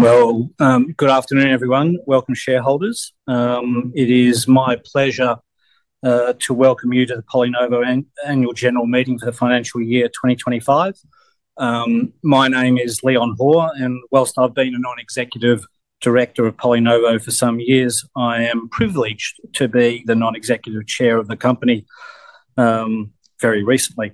Good afternoon, everyone. Welcome, shareholders. It is my pleasure to welcome you to the PolyNovo annual general meeting for the financial year 2025. My name is Leon Hoare, and whilst I've been a Non-Executive Director of PolyNovo for some years, I am privileged to be the Non-Executive Chair of the company very recently.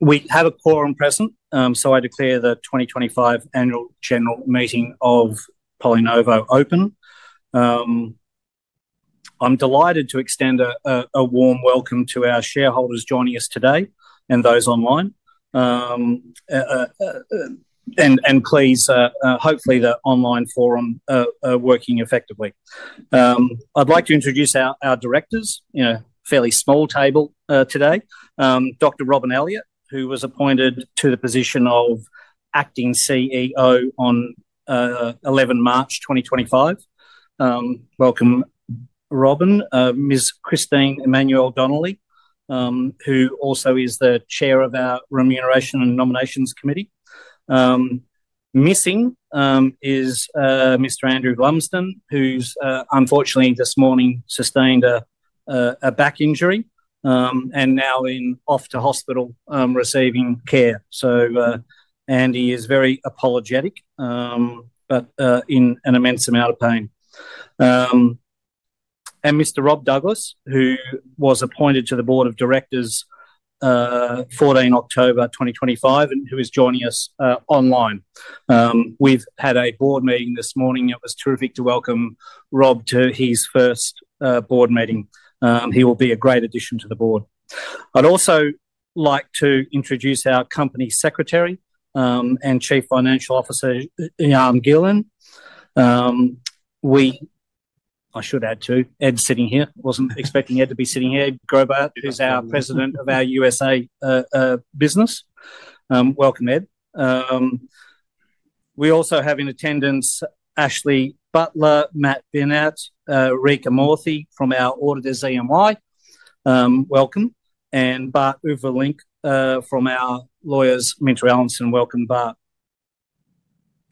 We have a quorum present, so I declare the 2025 annual general meeting of PolyNovo open. I'm delighted to extend a warm welcome to our shareholders joining us today and those online. Please, hopefully, the online forum is working effectively. I'd like to introduce our directors in a fairly small table today. Dr. Robyn Elliott, who was appointed to the position of Acting CEO on 11 March 2025. Welcome, Robyn. Ms. Christine Emmanuel, who also is the Chair of our Remuneration and Nominations Committee. Missing is Mr. Andrew Lumsden, who unfortunately this morning sustained a back injury and is now off to hospital receiving care. Andy is very apologetic, but in an immense amount of pain. Mr. Rob Douglas, who was appointed to the Board of Directors 14 October 2025, is joining us online. We've had a board meeting this morning. It was terrific to welcome Rob to his first board meeting. He will be a great addition to the board. I'd also like to introduce our Company Secretary and Chief Financial Officer, Jan-Marcel Gielen. I should add too, Ed's sitting here. I wasn't expecting Ed to be sitting here. Edward Graubart, who's our President of our U.S. business. Welcome, Ed. We also have in attendance Ashley Butler, Matt Bennett, Rica Murthy from our auditors, E&Y. Welcome. And Bart Overlink from our lawyers, MinterEllison. Welcome, Bart.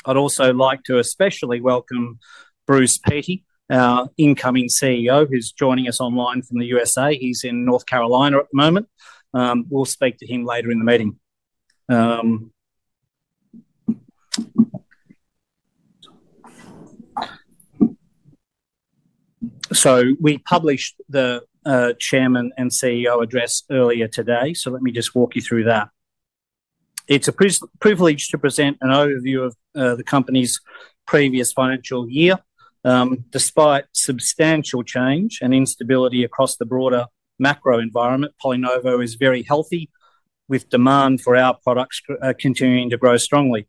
I'd also like to especially welcome Bruce Peatey, our incoming CEO, who's joining us online from the U.S. He's in North Carolina at the moment. We'll speak to him later in the meeting. We published the Chairman and CEO address earlier today. Let me just walk you through that. It's a privilege to present an overview of the company's previous financial year. Despite substantial change and instability across the broader macro environment, PolyNovo is very healthy, with demand for our products continuing to grow strongly.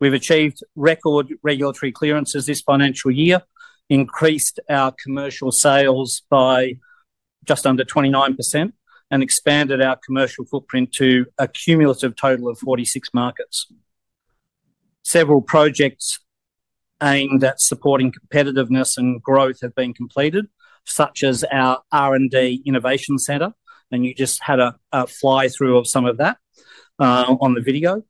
We've achieved record regulatory clearances this financial year, increased our commercial sales by just under 29%, and expanded our commercial footprint to a cumulative total of 46 markets. Several projects aimed at supporting competitiveness and growth have been completed, such as our R&D innovation center. You just had a fly-through of some of that on the video.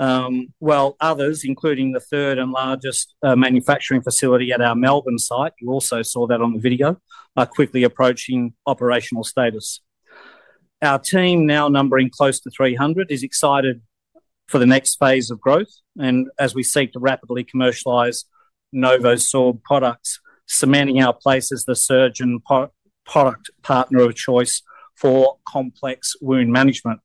Others, including the third and largest manufacturing facility at our Melbourne site, you also saw that on the video, are quickly approaching operational status. Our team, now numbering close to 300, is excited for the next phase of growth as we seek to rapidly commercialize NovoSorb products, cementing our place as the surgeon product partner of choice for complex wound management.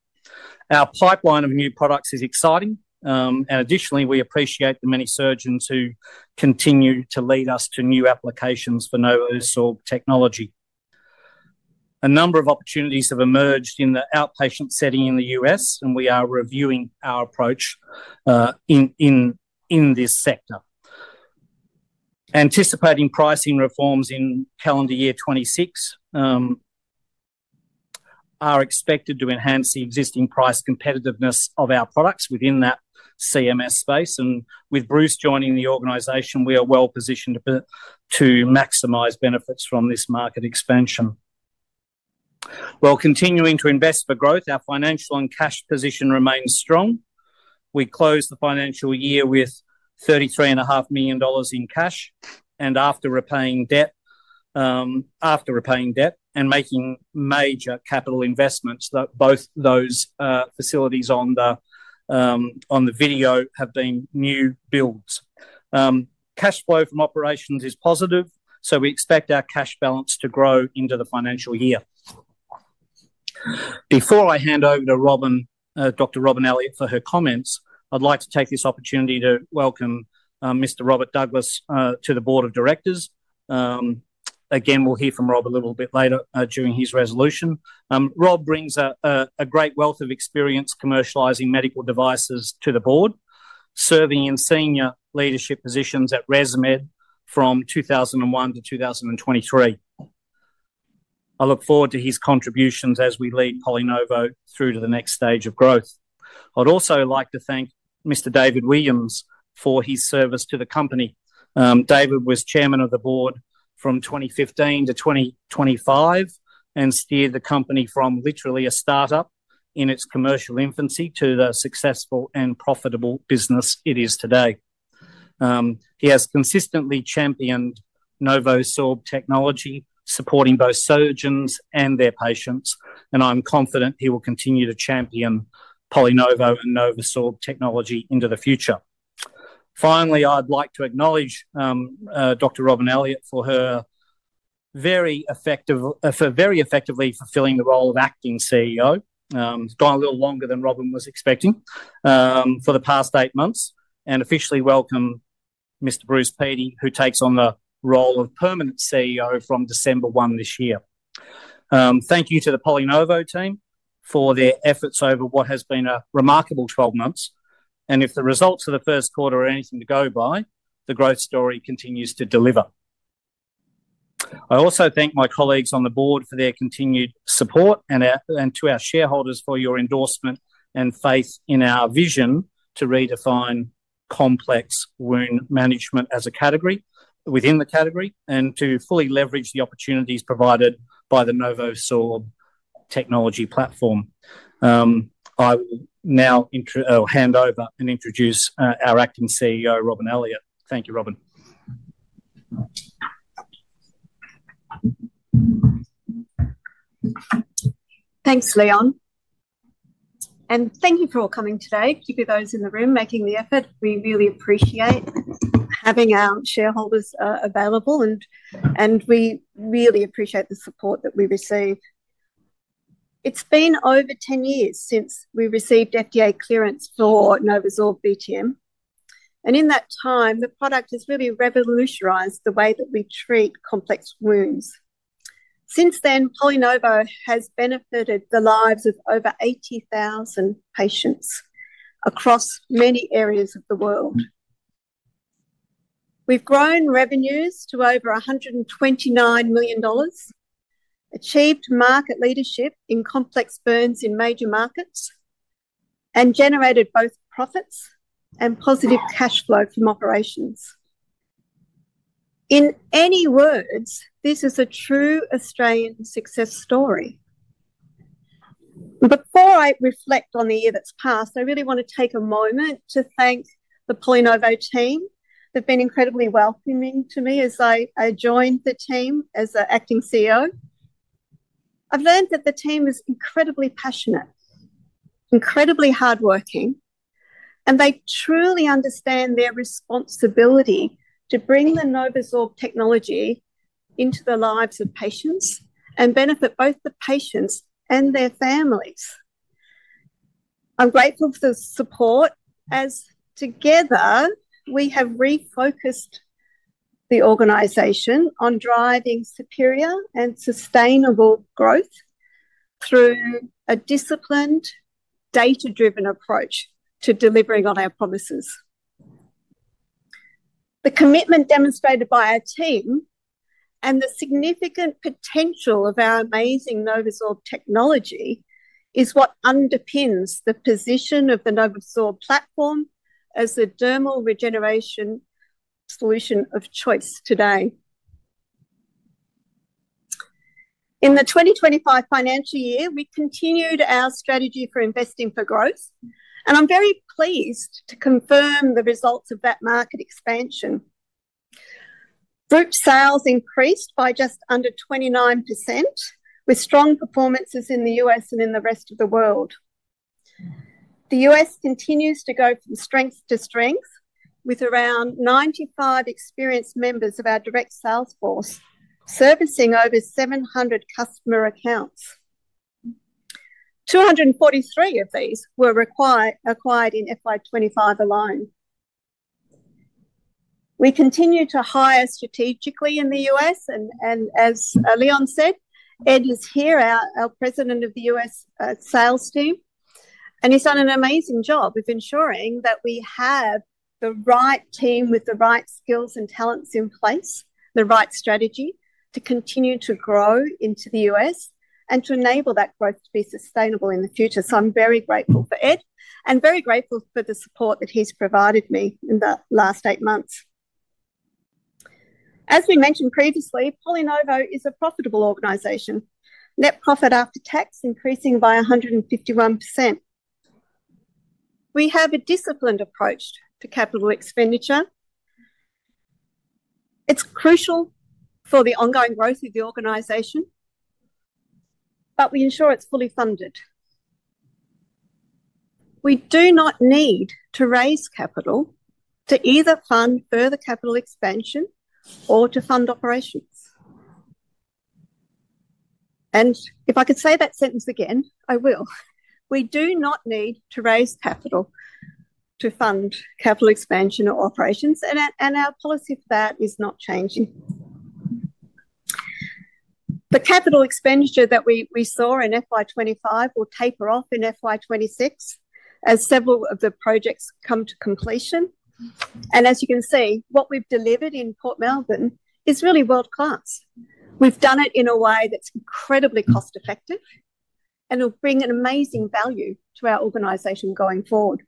Our pipeline of new products is exciting. Additionally, we appreciate the many surgeons who continue to lead us to new applications for NovoSorb technology. A number of opportunities have emerged in the outpatient setting in the U.S., and we are reviewing our approach in this sector. Anticipating pricing reforms in calendar year 2026 are expected to enhance the existing price competitiveness of our products within that CMS space. With Bruce joining the organization, we are well positioned to maximize benefits from this market expansion. While continuing to invest for growth, our financial and cash position remains strong. We closed the financial year with $33.5 million in cash after repaying debt and making major capital investments. Both those facilities on the video have been new builds. Cash flow from operations is positive, so we expect our cash balance to grow into the financial year. Before I hand over to Dr. Robyn Elliott for her comments, I'd like to take this opportunity to welcome Mr. Robert Douglas to the board of directors. We'll hear from Rob a little bit later during his resolution. Rob brings a great wealth of experience commercializing medical devices to the board, serving in senior leadership positions at ResMed from 2001 to 2023. I look forward to his contributions as we lead PolyNovo through to the next stage of growth. I'd also like to thank Mr. David Williams for his service to the company. David was Chairman of the Board from 2015 to 2025 and steered the company from literally a startup in its commercial infancy to the successful and profitable business it is today. He has consistently championed NovoSorb technology, supporting both surgeons and their patients, and I'm confident he will continue to champion PolyNovo and NovoSorb technology into the future. Finally, I'd like to acknowledge, Dr. Robyn Elliott for her very effective, for very effectively fulfilling the role of Acting CEO. It's gone a little longer than Robyn was expecting, for the past eight months. I officially welcome Mr. Bruce Peatey, who takes on the role of permanent CEO from December 1 this year. Thank you to the PolyNovo team for their efforts over what has been a remarkable 12 months. If the results of the first quarter are anything to go by, the growth story continues to deliver. I also thank my colleagues on the board for their continued support and to our shareholders for your endorsement and faith in our vision to redefine complex wound management as a category within the category and to fully leverage the opportunities provided by the NovoSorb technology platform. I will now hand over and introduce our Acting CEO, Robyn Elliott. Thank you, Robyn. Thanks, Leon. Thank you for all coming today. Keep your those in the room making the effort. We really appreciate having our shareholders available, and we really appreciate the support that we receive. It's been over 10 years since we received FDA clearance for NovoSorb BTM. In that time, the product has really revolutionized the way that we treat complex wounds. Since then, PolyNovo has benefited the lives of over 80,000 patients across many areas of the world. We've grown revenues to over $129 million, achieved market leadership in complex burns in major markets, and generated both profits and positive cash flow from operations. In any words, this is a true Australian success story. Before I reflect on the year that's passed, I really want to take a moment to thank the PolyNovo team. They've been incredibly welcoming to me as I joined the team as an Acting CEO. I've learned that the team is incredibly passionate, incredibly hardworking, and they truly understand their responsibility to bring the NovoSorb technology into the lives of patients and benefit both the patients and their families. I'm grateful for the support, as together we have refocused the organization on driving superior and sustainable growth through a disciplined, data-driven approach to delivering on our promises. The commitment demonstrated by our team and the significant potential of our amazing NovoSorb technology is what underpins the position of the NovoSorb platform as the dermal regeneration solution of choice today. In the 2025 financial year, we continued our strategy for investing for growth, and I'm very pleased to confirm the results of that market expansion. Group sales increased by just under 29%, with strong performances in the U.S. and in the rest of the world. The U.S. continues to go from strength to strength, with around 95 experienced members of our direct sales force servicing over 700 customer accounts. 243 of these were acquired in FY 2025 alone. We continue to hire strategically in the U.S., and as Leon said, Ed is here, our President of the U.S. sales team, and he's done an amazing job of ensuring that we have the right team with the right skills and talents in place, the right strategy to continue to grow into the U.S. and to enable that growth to be sustainable in the future. I'm very grateful for Ed and very grateful for the support that he's provided me in the last eight months. As we mentioned previously, PolyNovo is a profitable organization, net profit after tax increasing by 151%. We have a disciplined approach to capital expenditure. It's crucial for the ongoing growth of the organization, but we ensure it's fully funded. We do not need to raise capital to either fund further capital expansion or to fund operations. If I could say that sentence again, I will. We do not need to raise capital to fund capital expansion or operations, and our policy for that is not changing. The capital expenditure that we saw in FY 2025 will taper off in FY 2026 as several of the projects come to completion. As you can see, what we've delivered in Port Melbourne is really world-class. We've done it in a way that's incredibly cost-effective and will bring amazing value to our organization going forward.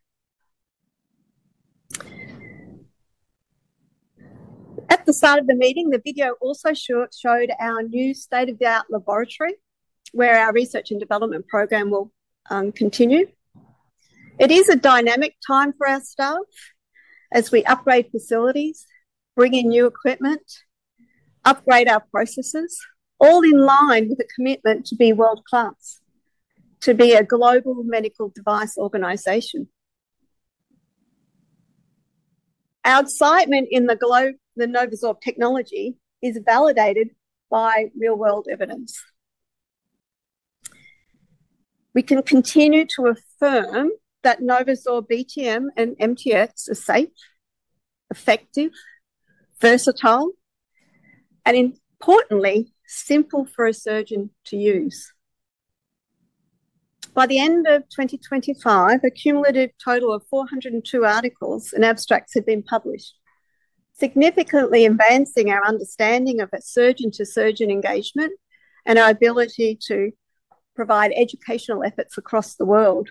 At the start of the meeting, the video also showed our new state-of-the-art laboratory where our research and development program will continue. It is a dynamic time for our staff as we upgrade facilities, bring in new equipment, upgrade our processes, all in line with a commitment to be world-class, to be a global medical device organization. Our excitement in the globe, the NovoSorb technology is validated by real-world evidence. We can continue to affirm that NovoSorb Biodegradable Temporising Matrix and MTX are safe, effective, versatile, and importantly, simple for a surgeon to use. By the end of 2025, a cumulative total of 402 articles and abstracts have been published, significantly advancing our understanding of a surgeon-to-surgeon engagement and our ability to provide educational efforts across the world.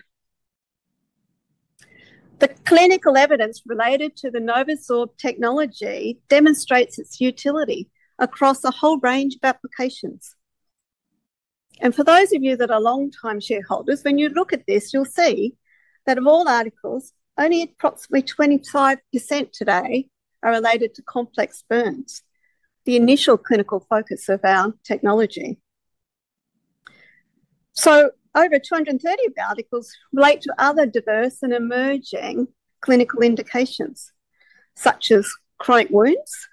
The clinical evidence related to the NovoSorb technology demonstrates its utility across a whole range of applications. For those of you that are long-time shareholders, when you look at this, you'll see that of all articles, only approximately 25% today are related to complex burns, the initial clinical focus of our technology. Over 230 articles relate to other diverse and emerging clinical indications, such as chronic wounds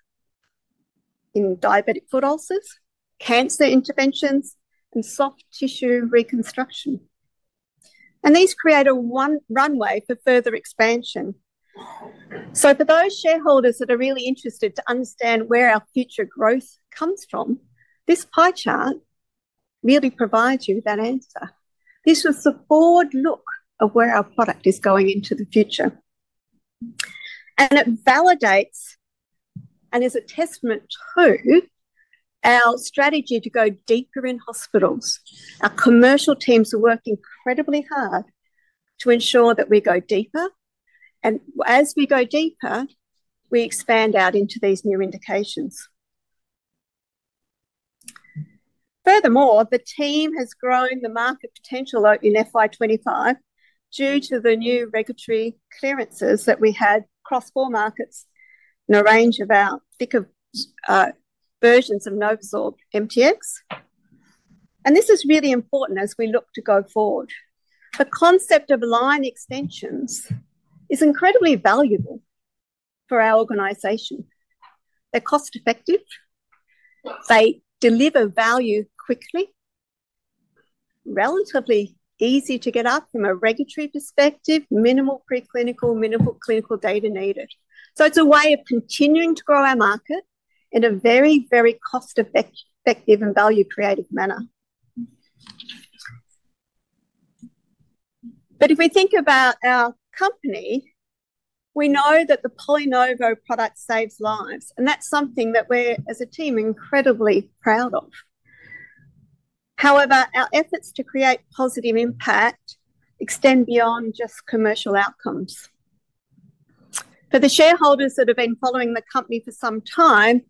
in diabetic foot ulcers, cancer interventions, and soft tissue reconstruction. These create a runway for further expansion. For those shareholders that are really interested to understand where our future growth comes from, this pie chart really provides you with that answer. This was the forward look of where our product is going into the future. It validates and is a testament to our strategy to go deeper in hospitals. Our commercial teams work incredibly hard to ensure that we go deeper. As we go deeper, we expand out into these new indications. Furthermore, the team has grown the market potential in FY 2025 due to the new regulatory clearances that we had across four markets in a range of our thicker versions of NovoSorb MTX. This is really important as we look to go forward. The concept of line extensions is incredibly valuable for our organization. They're cost-effective. They deliver value quickly, relatively easy to get up from a regulatory perspective, minimal preclinical, minimal clinical data needed. It's a way of continuing to grow our market in a very, very cost-effective and value-creating manner. If we think about our company, we know that the PolyNovo product saves lives, and that's something that we're, as a team, incredibly proud of. However, our efforts to create positive impact extend beyond just commercial outcomes. For the shareholders that have been following the company for some time,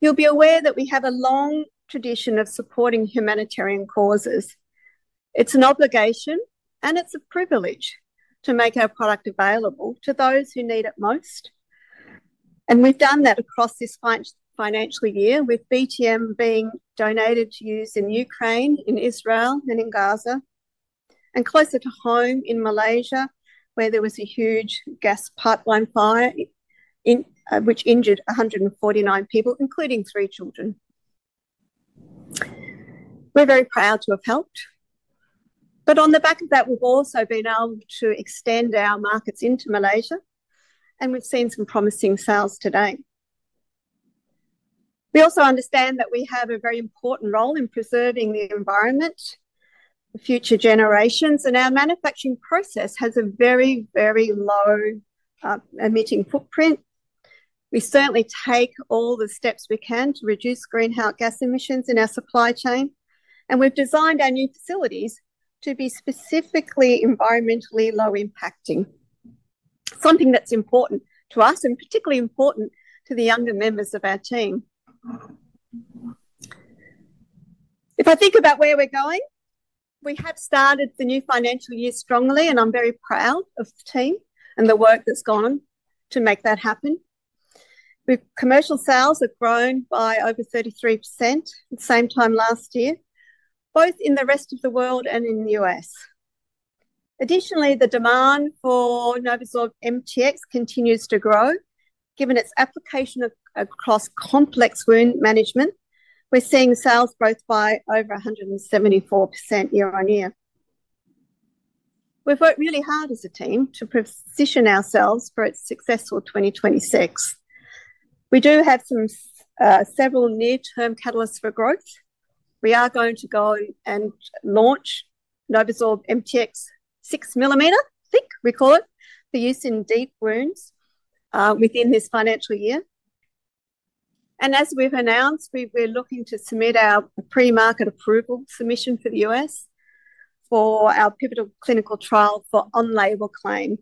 you'll be aware that we have a long tradition of supporting humanitarian causes. It's an obligation, and it's a privilege to make our product available to those who need it most. We've done that across this financial year, with NovoSorb Biodegradable Temporising Matrix being donated to use in Ukraine, in Israel, and in Gaza, and closer to home in Malaysia, where there was a huge gas pipeline fire which injured 149 people, including three children. We're very proud to have helped. On the back of that, we've also been able to extend our markets into Malaysia, and we've seen some promising sales today. We also understand that we have a very important role in preserving the environment for future generations, and our manufacturing process has a very, very low emitting footprint. We certainly take all the steps we can to reduce greenhouse gas emissions in our supply chain, and we've designed our new facilities to be specifically environmentally low-impacting, something that's important to us and particularly important to the younger members of our team. If I think about where we're going, we have started the new financial year strongly, and I'm very proud of the team and the work that's gone on to make that happen. Commercial sales have grown by over 33% at the same time last year, both in the rest of the world and in the U.S. Additionally, the demand for NovoSorb MTX continues to grow, given its application across complex wound management. We're seeing sales growth by over 174% year on year. We've worked really hard as a team to position ourselves for its successful 2026. We do have several near-term catalysts for growth. We are going to go and launch NovoSorb MTX 6 millimeter, I think we call it, for use in deep wounds within this financial year. As we've announced, we're looking to submit our PMA submission for the U.S. for our pivotal clinical trial for on-label claim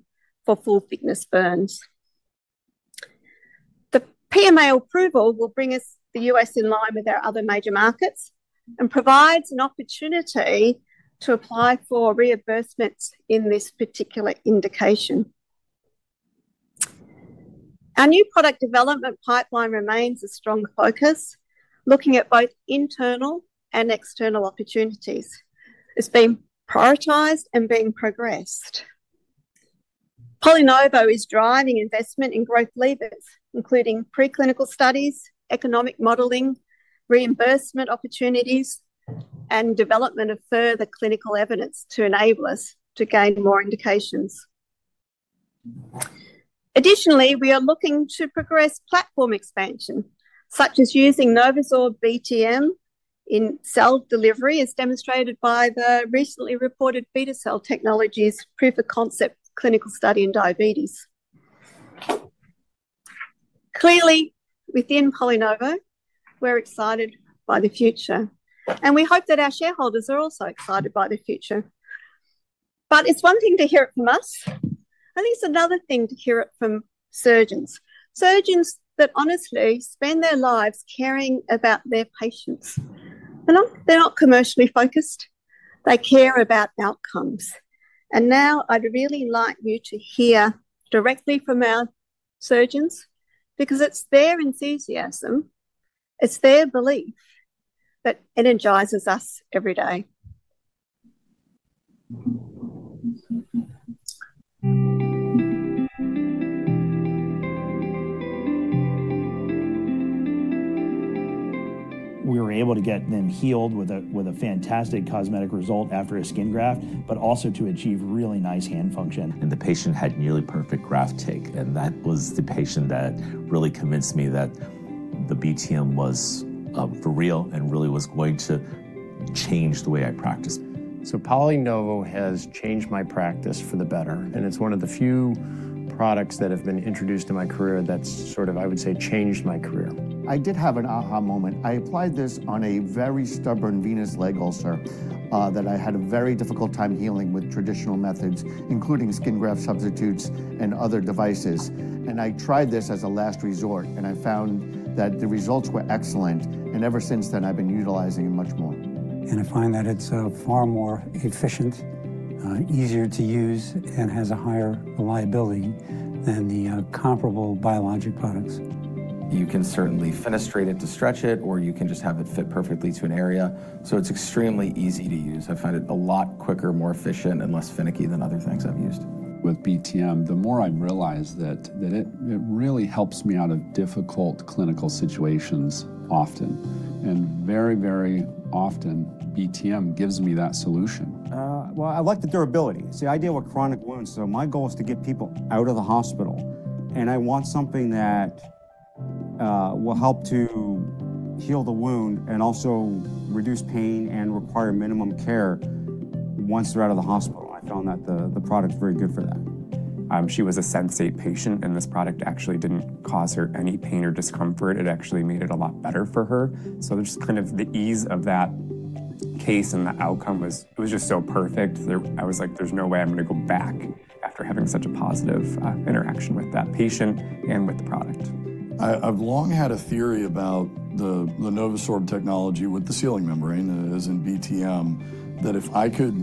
for full-thickness burns. The PMA approval will bring us the U.S. in line with our other major markets and provides an opportunity to apply for reimbursement in this particular indication. Our new product development pipeline remains a strong focus, looking at both internal and external opportunities. It's been prioritized and being progressed. PolyNovo is driving investment in growth levers, including preclinical studies, economic modeling, reimbursement opportunities, and development of further clinical evidence to enable us to gain more indications. Additionally, we are looking to progress platform expansion, such as using NovoSorb BTM in cell delivery, as demonstrated by the recently reported Beta Cell Technologies proof of concept clinical study in diabetes. Clearly, within PolyNovo, we're excited by the future, and we hope that our shareholders are also excited by the future. It's one thing to hear it from us, and it's another thing to hear it from surgeons, surgeons that honestly spend their lives caring about their patients. They're not commercially focused. They care about outcomes. Now I'd really like you to hear directly from our surgeons because it's their enthusiasm, it's their belief that energizes us every day. We were able to get them healed with a fantastic cosmetic result after a skin graft, but also to achieve really nice hand function. The patient had nearly perfect graft take, and that was the patient that really convinced me that the BTM was for real and really was going to change the way I practice. PolyNovo has changed my practice for the better, and it's one of the few products that have been introduced in my career that's, I would say, changed my career. I did have an aha moment. I applied this on a very stubborn venous leg ulcer that I had a very difficult time healing with traditional methods, including skin graft substitutes and other devices. I tried this as a last resort, and I found that the results were excellent. Ever since then, I've been utilizing it much more. I find that it's far more efficient, easier to use, and has a higher reliability than the comparable biologic products. You can certainly fenestrate it to stretch it, or you can just have it fit perfectly to an area. It's extremely easy to use. I find it a lot quicker, more efficient, and less finicky than other things I've used. With BTM, the more I've realized that it really helps me out of difficult clinical situations often. Very, very often, BTM gives me that solution. I like the durability. It's the idea of a chronic wound. My goal is to get people out of the hospital, and I want something that will help to heal the wound and also reduce pain and require minimum care once they're out of the hospital. I found that the product's very good for that. She was a sensate patient, and this product actually didn't cause her any pain or discomfort. It actually made it a lot better for her. The ease of that case and the outcome was just so perfect. I was like, there's no way I'm going to go back after having such a positive interaction with that patient and with the product. I've long had a theory about the NovoSorb technology with the sealing membrane, as in BTM, that if I could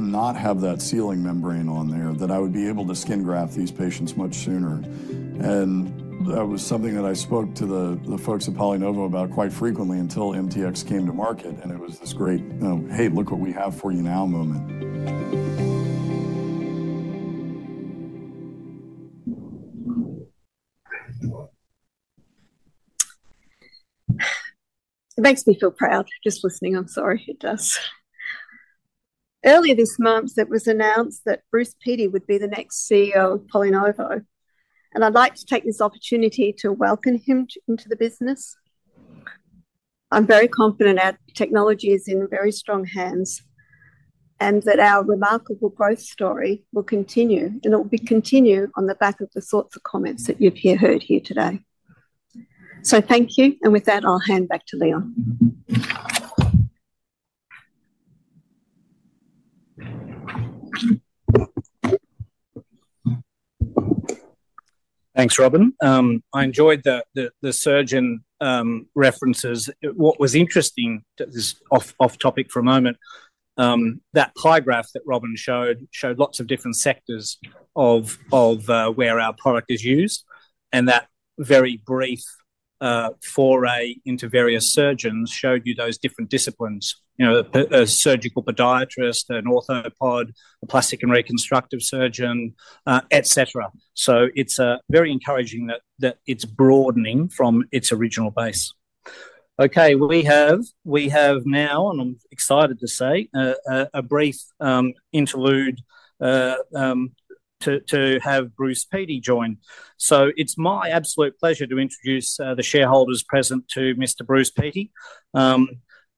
not have that sealing membrane on there, that I would be able to skin graft these patients much sooner. That was something that I spoke to the folks at PolyNovo about quite frequently until MTX came to market, and it was this great, hey, look what we have for you now moment. It makes me feel proud. Just listening, I'm sorry. It does. Earlier this month, it was announced that Bruce Peatey would be the next CEO of PolyNovo, and I'd like to take this opportunity to welcome him into the business. I'm very confident our technology is in very strong hands and that our remarkable growth story will continue, and it will continue on the back of the thoughts and comments that you've heard here today. Thank you, and with that, I'll hand back to Leon. Thanks, Robyn. I enjoyed the surgeon references. What was interesting, just off topic for a moment, that pie graph that Robyn showed showed lots of different sectors of where our product is used, and that very brief foray into various surgeons showed you those different disciplines: a surgical podiatrist, an orthopod, a plastic and reconstructive surgeon, et cetera. It's very encouraging that it's broadening from its original base. We have now, and I'm excited to say, a brief interlude to have Bruce Peatey join. It's my absolute pleasure to introduce the shareholders present to Mr. Bruce Peatey.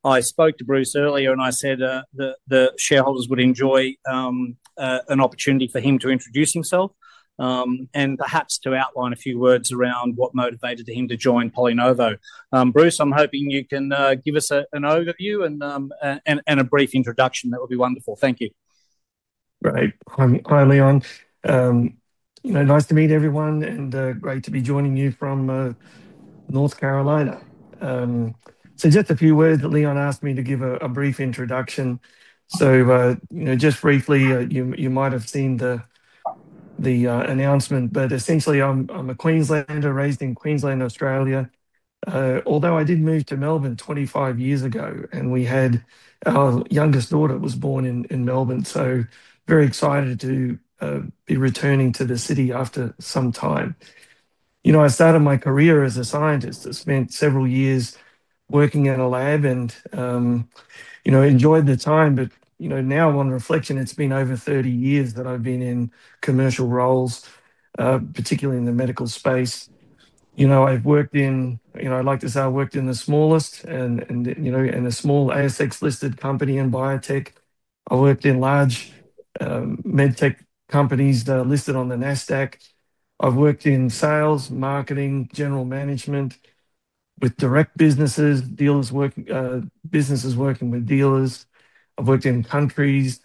I spoke to Bruce earlier, and I said the shareholders would enjoy an opportunity for him to introduce himself and perhaps to outline a few words around what motivated him to join PolyNovo. Bruce, I'm hoping you can give us an overview and a brief introduction. That would be wonderful. Thank you. Right. Hi, Leon. Nice to meet everyone and great to be joining you from North Carolina. Just a few words that Leon asked me to give, a brief introduction. Just briefly, you might have seen the announcement, but essentially, I'm a Queenslander raised in Queensland, Australia. Although I did move to Melbourne 25 years ago, and our youngest daughter was born in Melbourne, so very excited to be returning to the city after some time. I started my career as a scientist and spent several years working in a lab and enjoyed the time, but now, on reflection, it's been over 30 years that I've been in commercial roles, particularly in the medical space. I've worked in, I like to say I worked in the smallest and a small ASX listed company in biotech. I worked in large medtech companies that are listed on the NASDAQ. I've worked in sales, marketing, general management with direct businesses, dealers working with dealers. I've worked in countries,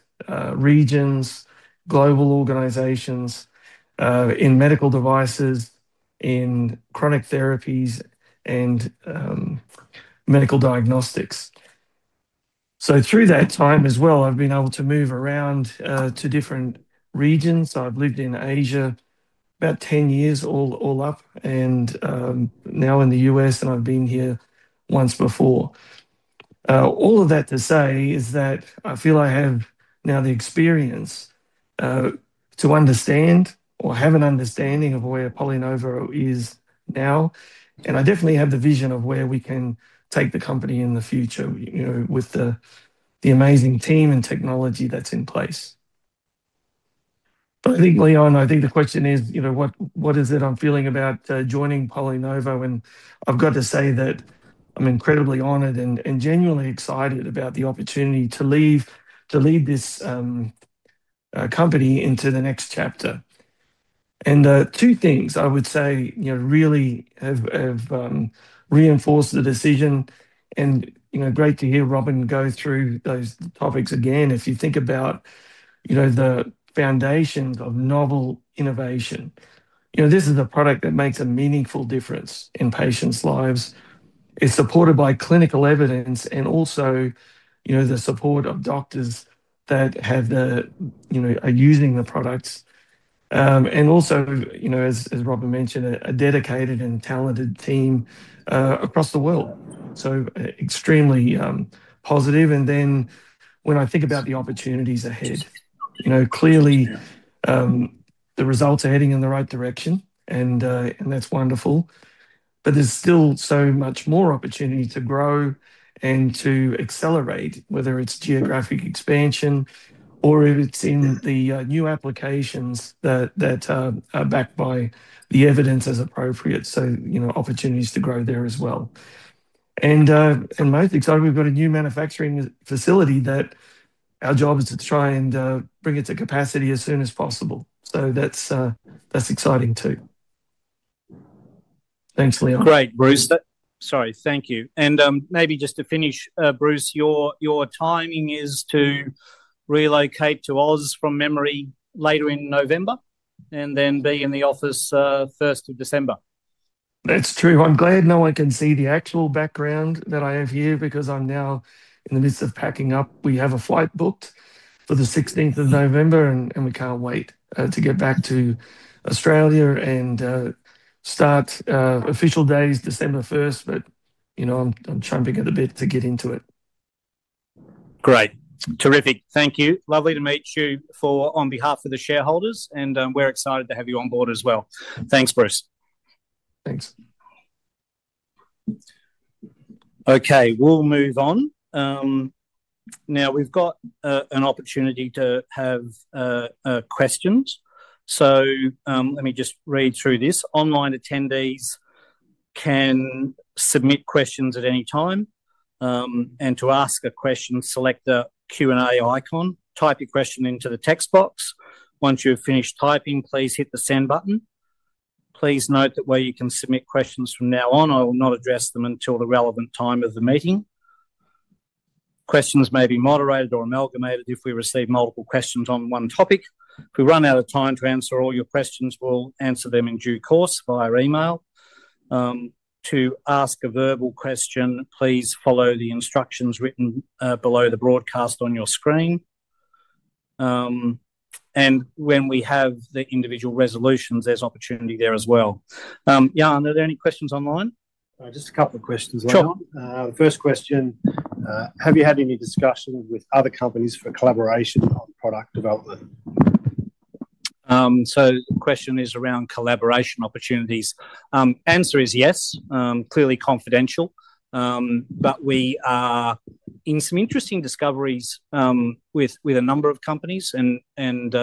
regions, global organizations, in medical devices, in chronic therapies, and medical diagnostics. Through that time as well, I've been able to move around to different regions. I've lived in Asia about 10 years, all up, and now in the U.S., and I've been here once before. All of that to say is that I feel I have now the experience to understand or have an understanding of where PolyNovo is now, and I definitely have the vision of where we can take the company in the future, with the amazing team and technology that's in place. I think, Leon, the question is, what is it I'm feeling about joining PolyNovo? I've got to say that I'm incredibly honored and genuinely excited about the opportunity to lead this company into the next chapter. The two things I would say really have reinforced the decision, and great to hear Robyn go through those topics again. If you think about the foundations of novel innovation, this is a product that makes a meaningful difference in patients' lives. It's supported by clinical evidence and also the support of doctors that are using the products. Also, as Robyn mentioned, a dedicated and talented team across the world. Extremely positive. When I think about the opportunities ahead, clearly the results are heading in the right direction, and that's wonderful. There's still so much more opportunity to grow and to accelerate, whether it's geographic expansion or if it's in the new applications that are backed by the evidence as appropriate. Opportunities to grow there as well. Most exciting, we've got a new manufacturing facility that our job is to try and bring it to capacity as soon as possible. That's exciting too. Thanks, Leon. Great, Bruce. Thank you. Maybe just to finish, Bruce, your timing is to relocate to Oz from memory later in November and then be in the office 1st of December. That's true. I'm glad no one can see the actual background that I have here because I'm now in the midst of packing up. We have a flight booked for the 16th of November, and we can't wait to get back to Australia and start official days December 1st. You know, I'm chomping at the bit to get into it. Great. Terrific. Thank you. Lovely to meet you on behalf of the shareholders, and we're excited to have you on board as well. Thanks, Bruce. Thanks. Okay, we'll move on. Now we've got an opportunity to have questions. Let me just read through this. Online attendees can submit questions at any time. To ask a question, select the Q&A icon and type your question into the text box. Once you've finished typing, please hit the send button. Please note that while you can submit questions from now on, I will not address them until the relevant time of the meeting. Questions may be moderated or amalgamated if we receive multiple questions on one topic. If we run out of time to answer all your questions, we'll answer them in due course via email. To ask a verbal question, please follow the instructions written below the broadcast on your screen. When we have the individual resolutions, there's opportunity there as well. Jan, are there any questions online? Just a couple of questions. Sure. The first question, have you had any discussion with other companies for collaboration on product development? The question is around collaboration opportunities. The answer is yes, clearly confidential. We are in some interesting discoveries with a number of companies, and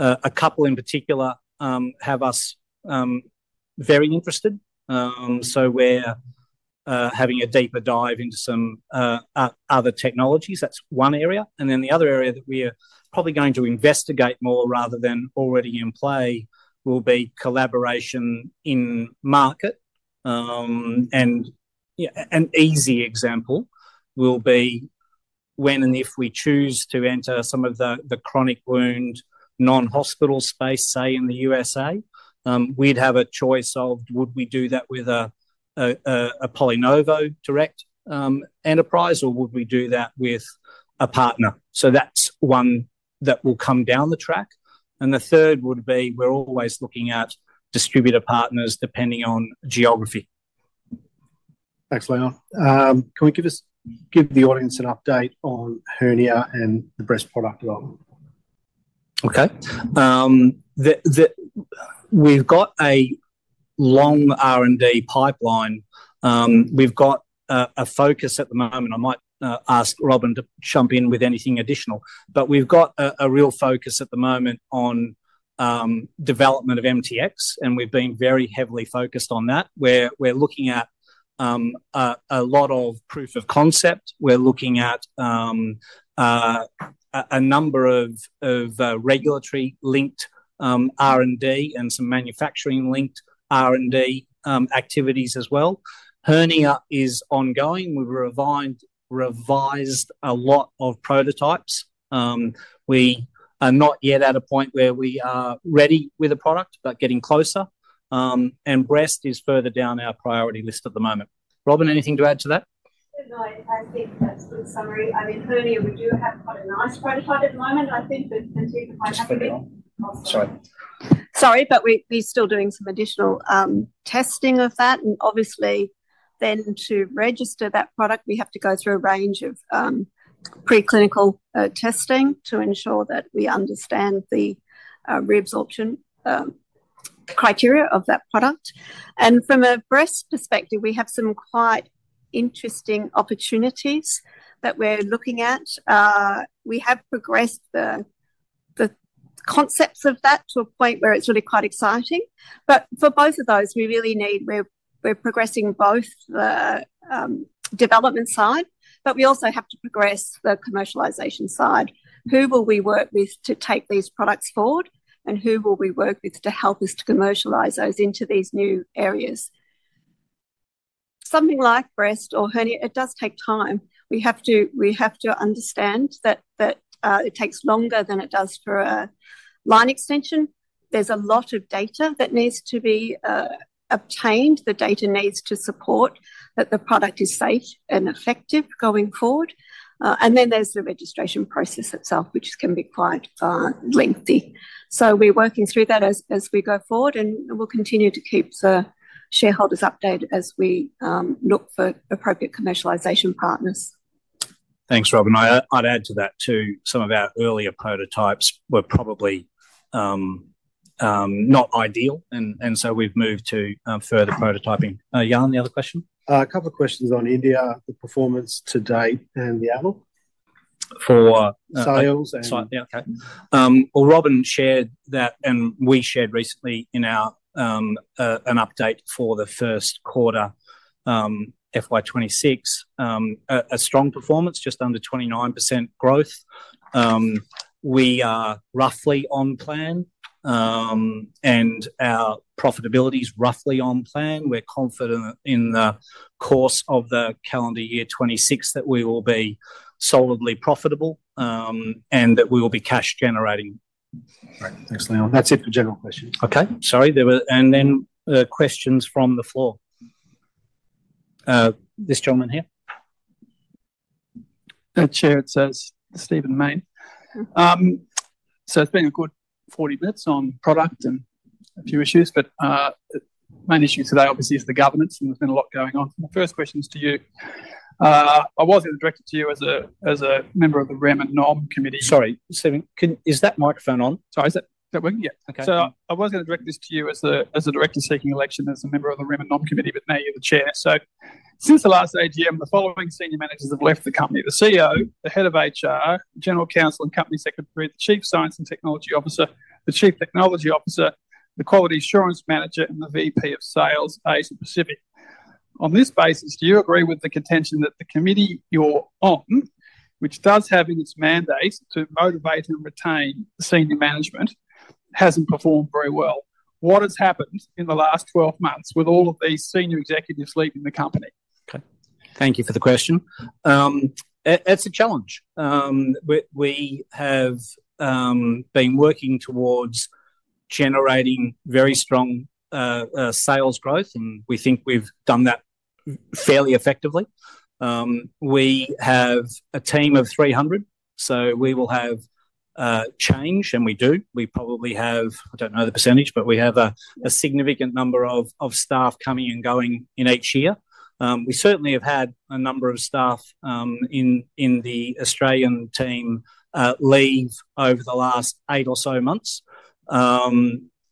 a couple in particular have us very interested. We're having a deeper dive into some other technologies. That's one area. The other area that we are probably going to investigate more, rather than already in play, will be collaboration in market. An easy example will be when and if we choose to enter some of the chronic wound non-hospital space, say in the U.S., we'd have a choice of would we do that with a PolyNovo direct enterprise or would we do that with a partner. That's one that will come down the track. The third would be we're always looking at distributor partners depending on geography. Thanks, Leon. Can we give the audience an update on hernia and the breast product development? Okay. We've got a long R&D pipeline. We've got a focus at the moment. I might ask Robyn to jump in with anything additional. We've got a real focus at the moment on development of MTX, and we've been very heavily focused on that. We're looking at a lot of proof of concept. We're looking at a number of regulatory-linked R&D and some manufacturing-linked R&D activities as well. Hernia is ongoing. We've revised a lot of prototypes. We are not yet at a point where we are ready with a product, but getting closer. Breast is further down our priority list at the moment. Robyn, anything to add to that? No, I think that's a good summary. I mean, hernia, we do have quite a nice prototype at the moment. I think that the team are quite happy with it. Sorry. Sorry, but we're still doing some additional testing of that. Obviously, then to register that product, we have to go through a range of preclinical testing to ensure that we understand the reabsorption criteria of that product. From a breast perspective, we have some quite interesting opportunities that we're looking at. We have progressed the concepts of that to a point where it's really quite exciting. For both of those, we're progressing both the development side, but we also have to progress the commercialization side. Who will we work with to take these products forward, and who will we work with to help us to commercialize those into these new areas? Something like breast or hernia, it does take time. We have to understand that it takes longer than it does for a line extension. There's a lot of data that needs to be obtained. The data needs to support that the product is safe and effective going forward. The registration process itself can be quite lengthy. We're working through that as we go forward, and we'll continue to keep the shareholders updated as we look for appropriate commercialization partners. Thanks, Robyn. I'd add to that too. Some of our earlier prototypes were probably not ideal, and we've moved to further prototyping. Jan, the other question? A couple of questions on India performance to date and the adult. For? Sales. Robyn shared that, and we shared recently in our update for the first quarter FY 2026, a strong performance, just under 29% growth. We are roughly on plan, and our profitability is roughly on plan. We're confident in the course of the calendar year 2026 that we will be solidly profitable and that we will be cash-generating. All right. Thanks, Leon. That's it for general questions. Okay. Sorry. Questions from the floor. This gentleman here. Chair, it says Stephen Main. It's been a good 40 minutes on product and a few issues, but the main issue today obviously is the governance, and there's been a lot going on. My first question is to you. I was going to direct it to you as a member of the Remuneration and Nominations Committee. Sorry, Stephen, is that microphone on? Sorry, is that working? Yeah. Okay. I was going to direct this to you as a director seeking election as a member of the Remuneration and Nominations Committee, but now you're the Chair. Since the last AGM, the following senior managers have left the company: the CEO, the Head of HR, General Counsel and Company Secretary, the Chief Science and Technology Officer, the Chief Technology Officer, the Quality Assurance Manager, and the VP of Sales, Ace Pacific. On this basis, do you agree with the contention that the committee you're on, which does have in its mandate to motivate and retain senior management, hasn't performed very well? What has happened in the last 12 months with all of these senior executives leaving the company? Okay. Thank you for the question. It's a challenge. We have been working towards generating very strong sales growth, and we think we've done that fairly effectively. We have a team of 300, so we will have change, and we do. We probably have, I don't know the %, but we have a significant number of staff coming and going in each year. We certainly have had a number of staff in the Australian team leave over the last eight or so months,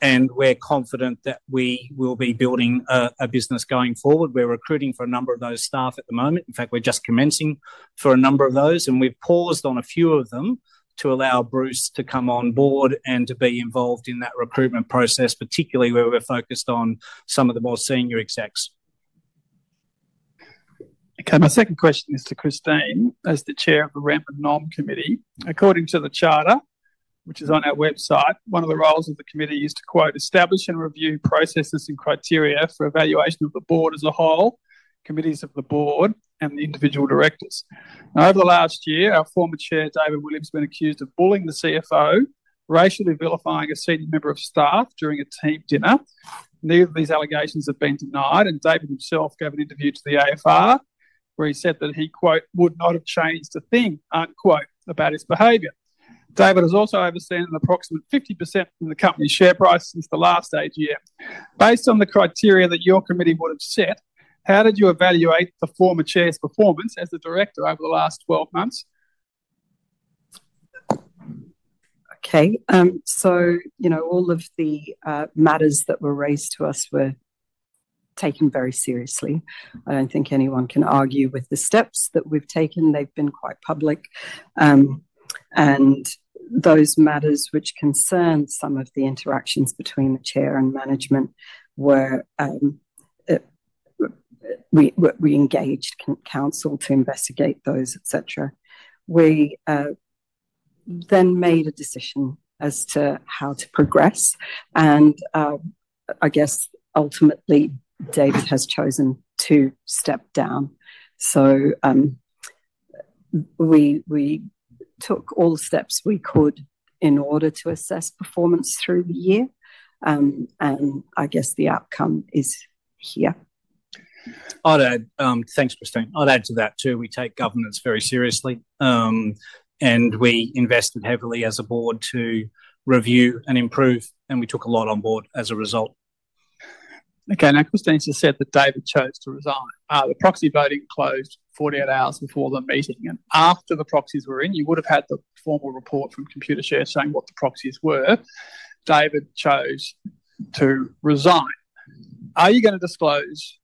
and we're confident that we will be building a business going forward. We're recruiting for a number of those staff at the moment. In fact, we're just commencing for a number of those, and we've paused on a few of them to allow Bruce to come on board and to be involved in that recruitment process, particularly where we're focused on some of the more senior execs. Okay. My second question is to Christine. As the Chair of the Remuneration and Nominations Committee, according to the charter, which is on our website, one of the roles of the committee is to, quote, "establish and review processes and criteria for evaluation of the board as a whole, committees of the board, and the individual directors." Over the last year, our former Chair, David Williams, has been accused of bullying the CFO, racially vilifying a senior member of staff during a team dinner. Neither of these allegations have been denied, and David himself gave an interview to the AFR where he said that he, quote, "would not have changed a thing," unquote, about his behavior. David has also overseen an approximate 50% drop in the company's share price since the last AGM. Based on the criteria that your committee would have set, how did you evaluate the former Chair's performance as the director over the last 12 months? Okay. All of the matters that were raised to us were taken very seriously. I don't think anyone can argue with the steps that we've taken. They've been quite public. Those matters which concerned some of the interactions between the Chair and management, we engaged counsel to investigate those, et cetera. We then made a decision as to how to progress. Ultimately, David has chosen to step down. We took all the steps we could in order to assess performance through the year. The outcome is here. I'd add, thanks, Christine. I'd add to that too. We take governance very seriously, and we invested heavily as a board to review and improve, and we took a lot on board as a result. Okay. Now, Christine has said that David chose to resign. The proxy voting closed 48 hours before the meeting. After the proxies were in, you would have had the formal report from Computershare showing what the proxies were. David chose to resign. Are you going to disclose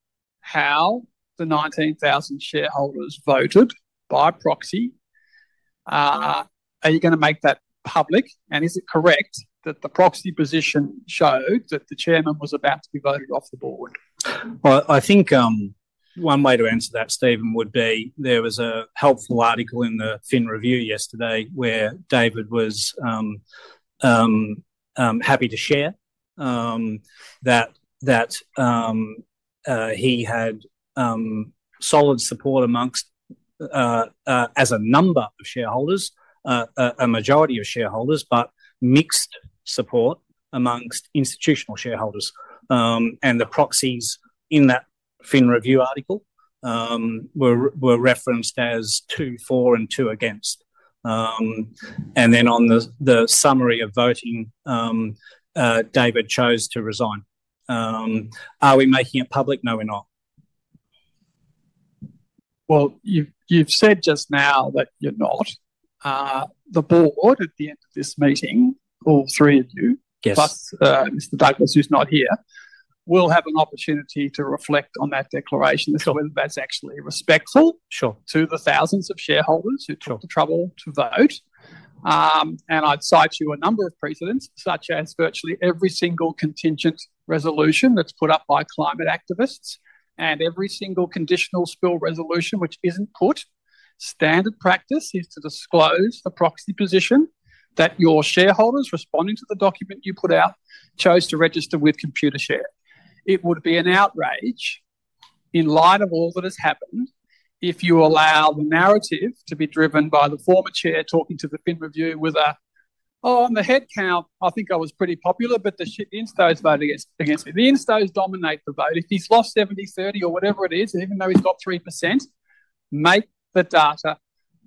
how the 19,000 shareholders voted by proxy? Are you going to make that public? Is it correct that the proxy position showed that the Chairman was about to be voted off the board? I think one way to answer that, Stephen, would be there was a helpful article in the Fin Review yesterday where David was happy to share that he had solid support amongst, as a number of shareholders, a majority of shareholders, but mixed support amongst institutional shareholders. The proxies in that Fin Review article were referenced as two for and two against. On the summary of voting, David chose to resign. Are we making it public? No, we're not. You've said just now that you're not. The Board, at the end of this meeting, all three of you, plus Mr. Douglas, who's not here, will have an opportunity to reflect on that declaration as to whether that's actually respectful to the thousands of shareholders who took the trouble to vote. I'd cite to you a number of precedents, such as virtually every single contingent resolution that's put up by climate activists and every single conditional spill resolution which isn't put. Standard practice is to disclose the proxy position that your shareholders responding to the document you put out chose to register with Computershare. It would be an outrage in light of all that has happened if you allow the narrative to be driven by the former Chair talking to the Finn Review with a, "Oh, on the headcount, I think I was pretty popular, but the in-stows voted against me." The in-stows dominate the vote. If he's lost 70-30 or whatever it is, even though he's got 3%, make the data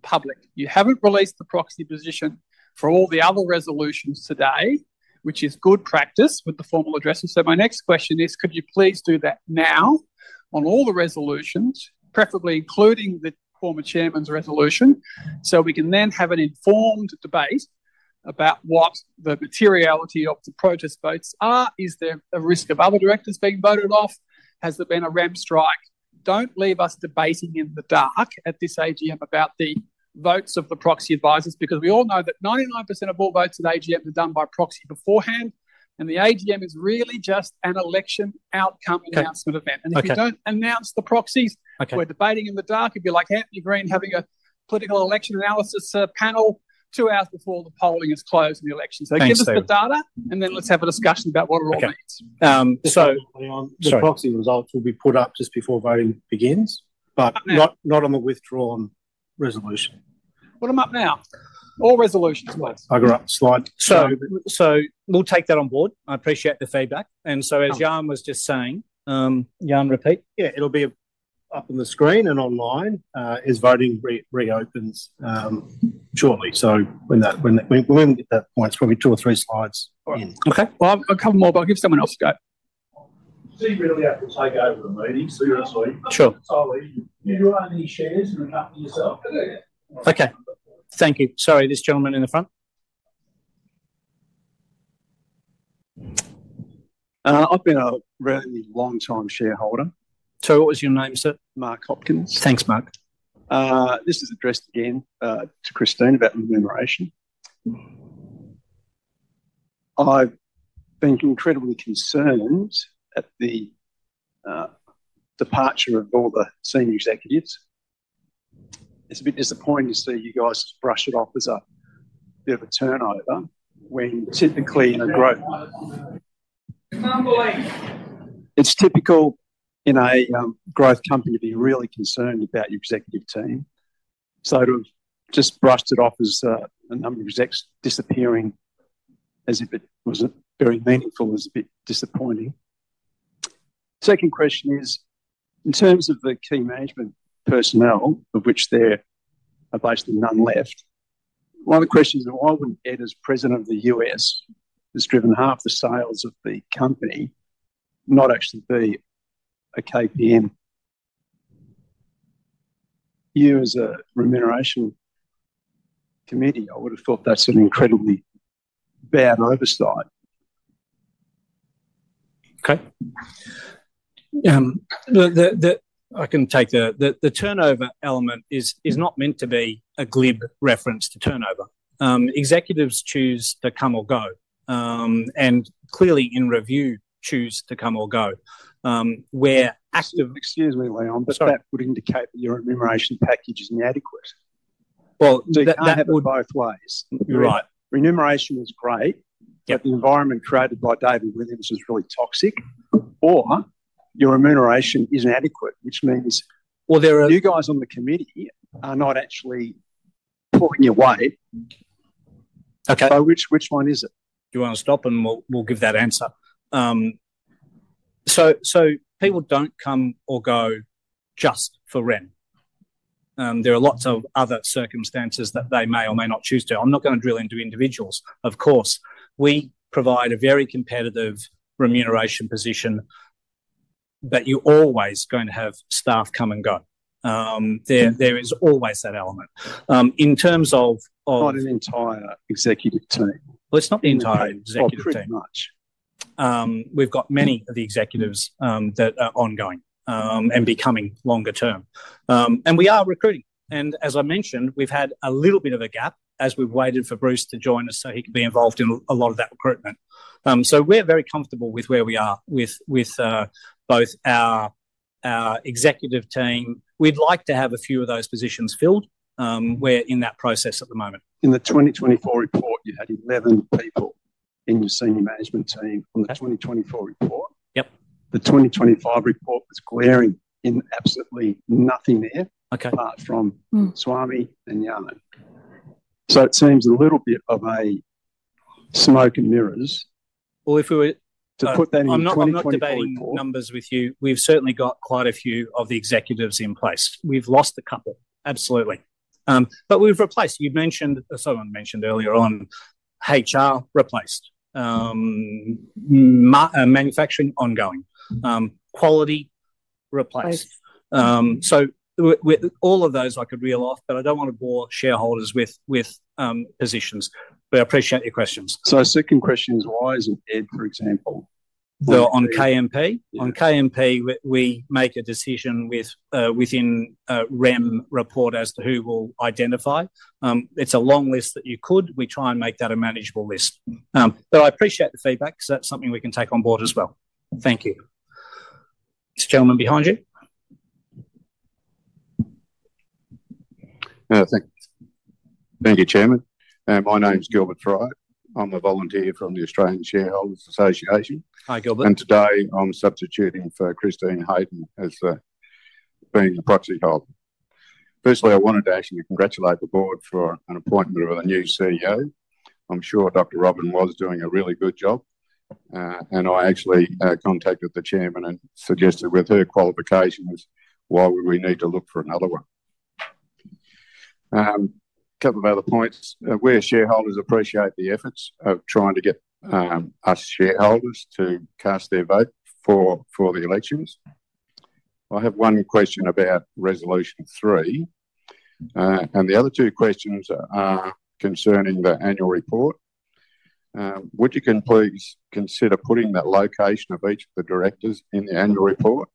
public. You haven't released the proxy position for all the other resolutions today, which is good practice with the formal addresses. My next question is, could you please do that now on all the resolutions, preferably including the former Chairman's resolution, so we can then have an informed debate about what the materiality of the protest votes are? Is there a risk of other directors being voted off? Has there been a REM strike? Don't leave us debating in the dark at this AGM about the votes of the proxy advisors because we all know that 99% of all votes at AGM are done by proxy beforehand, and the AGM is really just an election outcome announcement event. If you don't announce the proxies, we're debating in the dark. It'd be like Antony Green having a political election analysis panel two hours before the polling is closed in the election. Give us the data, and then let's have a discussion about what it all means. The proxy results will be put up just before voting begins, but not on the withdrawn resolution. I'm up now. All resolutions work. I appreciate the feedback. As Jan was just saying, Jan, repeat. It'll be up on the screen and online as voting reopens shortly. When we get to that point, it's probably two or three slides in. Okay. I've got a couple more, but I'll give someone else a go. Do you really have to take over the meeting? You're a team. Sure. Are you owning shares in the company yourself? Okay. Thank you. Sorry, this gentleman in the front. I've been a really long-time shareholder. What was your name, sir? Mark Hopkins. Thanks, Mark. This is addressed again to Christine about commemoration. I've been incredibly concerned at the departure of all the senior executives. It's a bit disappointing to see you guys just brush it off as a bit of a turnover when typically in a growth. It's typical in a growth company to be really concerned about your executive team. To have just brushed it off as a number of execs disappearing as if it wasn't very meaningful is a bit disappointing. Second question is, in terms of the key management personnel, of which there are basically none left, one of the questions is why wouldn't Ed, as President of the US, who's driven half the sales of the company, not actually be a KPM? You as a Remuneration Committee, I would have thought that's an incredibly bad oversight. Okay. I can take the turnover element. It is not meant to be a glib reference to turnover. Executives choose to come or go, and clearly in review, choose to come or go, where active. Excuse me, Leon, but that would indicate that your remuneration package is inadequate. That would. Both ways. You're right. Remuneration is great, but the environment created by David Williams is really toxic, or your remuneration is inadequate, which means. There are. You guys on the committee are not actually talking your way. Okay. Which one is it? Do you want to stop, and we'll give that answer? People don't come or go just for remuneration. There are lots of other circumstances that they may or may not choose to. I'm not going to drill into individuals, of course. We provide a very competitive remuneration position, but you're always going to have staff come and go. There is always that element. In terms of. Not an entire executive team. It's not the entire executive team. Not very much. We've got many of the executives that are ongoing and becoming longer term. We are recruiting. As I mentioned, we've had a little bit of a gap as we've waited for Bruce to join us so he could be involved in a lot of that recruitment. We are very comfortable with where we are with both our executive team. We'd like to have a few of those positions filled. We're in that process at the moment. In the 2024 report, you had 11 people in your Senior Management team on the 2024 report. Yep. The 2025 report was glaring in absolutely nothing there, apart from Swami Raote and Yaman. It seems a little bit of a smoke and mirrors. If we were. To put that in. I'm not debating numbers with you. We've certainly got quite a few of the executives in place. We've lost a couple. Absolutely, but we've replaced. You mentioned, someone mentioned earlier on, HR replaced, manufacturing ongoing, quality replaced. With all of those, I could reel off, but I don't want to bore shareholders with positions. I appreciate your questions. Second question is, why isn't Ed, for example, on? On KMP? Yeah. On KMP, we make a decision within REM report as to who will identify. It's a long list that you could. We try and make that a manageable list. I appreciate the feedback because that's something we can take on board as well. Thank you. This gentleman behind you. Thank you, Chairman. My name's Gilbert Throde. I'm a volunteer from the Australian Shareholders Association. Hi, Gilbert. Today, I'm substituting for Christine Emmanuel as being the proxy holder. Firstly, I wanted to actually congratulate the board for an appointment of a new CEO. I'm sure Dr. Robyn Elliott was doing a really good job. I actually contacted the Chairman and suggested with her qualifications, why would we need to look for another one? A couple of other points. We as shareholders appreciate the efforts of trying to get us shareholders to cast their vote for the elections. I have one question about resolution 3. The other two questions are concerning the annual report. Would you please consider putting the location of each of the directors in the annual report?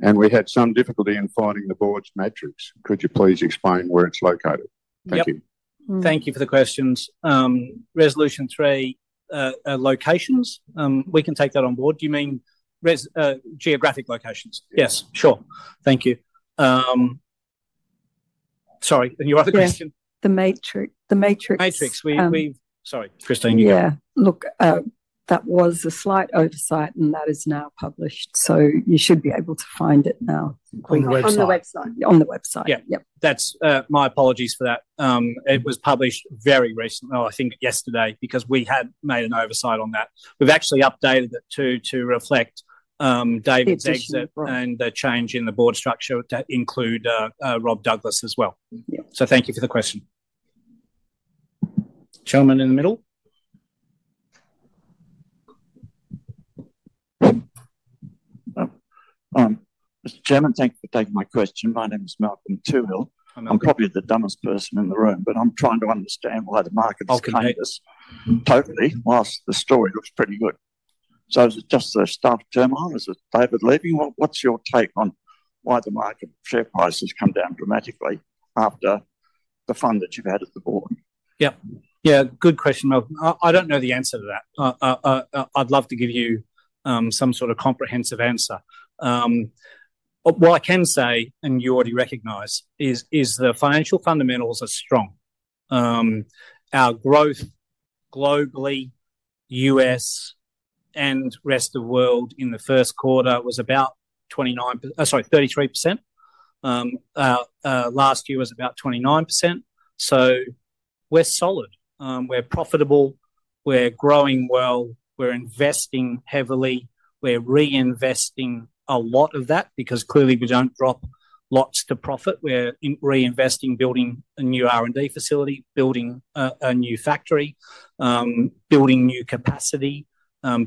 We had some difficulty in finding the board's matrix. Could you please explain where it's located? Thank you. Thank you for the questions. Resolution three, locations, we can take that on board. Do you mean geographic locations? Yes, sure. Thank you. Sorry, and you're off the question? The matrix. Matrix. Sorry, Christine, you go. Yeah, that was a slight oversight, and that is now published. You should be able to find it now. On the website. On the website, yeah. That's my apologies for that. It was published very recently, I think yesterday, because we had made an oversight on that. We've actually updated it to reflect David's exit and the change in the board structure to include Rob Douglas as well. Thank you for the question. Gentleman in the middle. Mr. Chairman, thank you for taking my question. My name is Malcolm Tewell. I'm probably the dumbest person in the room, but I'm trying to understand why the market's changed totally whilst the story looks pretty good. Is it just the start of turmoil? Is it David leaving? What's your take on why the market share price has come down dramatically after the fund that you've had at the board? Yeah. Good question, Malcolm. I don't know the answer to that. I'd love to give you some sort of comprehensive answer. What I can say, and you already recognize, is the financial fundamentals are strong. Our growth globally, U.S., and the rest of the world in the first quarter was about 33%. Last year was about 29%. We're solid. We're profitable. We're growing well. We're investing heavily. We're reinvesting a lot of that because clearly we don't drop lots to profit. We're reinvesting, building a new R&D facility, building a new factory, building new capacity,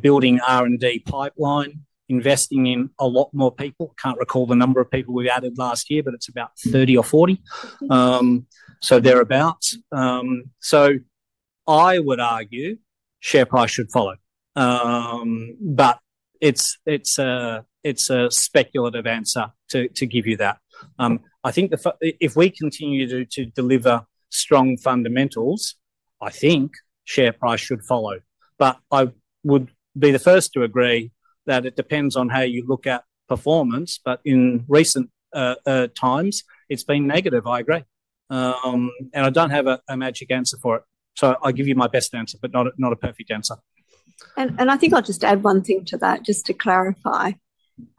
building R&D pipeline, investing in a lot more people. I can't recall the number of people we've added last year, but it's about 30 or 40, so thereabouts. I would argue share price should follow. It's a speculative answer to give you that. I think if we continue to deliver strong fundamentals, I think share price should follow. I would be the first to agree that it depends on how you look at performance. In recent times, it's been negative, I agree. I don't have a magic answer for it. I'll give you my best answer, but not a perfect answer. I think I'll just add one thing to that just to clarify.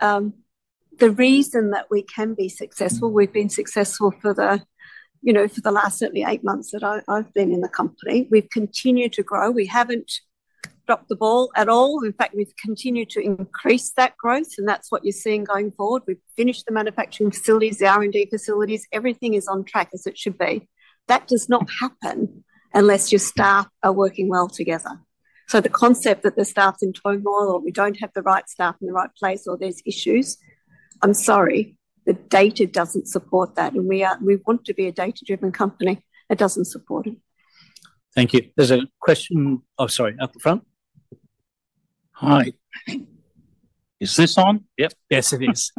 The reason that we can be successful, we've been successful for the last certainly eight months that I've been in the company. We've continued to grow. We haven't dropped the ball at all. In fact, we've continued to increase that growth, and that's what you're seeing going forward. We've finished the manufacturing facilities, the R&D facilities. Everything is on track as it should be. That does not happen unless your staff are working well together. The concept that the staff's in turmoil or we don't have the right staff in the right place or there's issues, I'm sorry, the data doesn't support that. We want to be a data-driven company. It doesn't support it. Thank you. There's a question. Oh, sorry, up the front. Hi. Is this on? Yep. Yes, it is.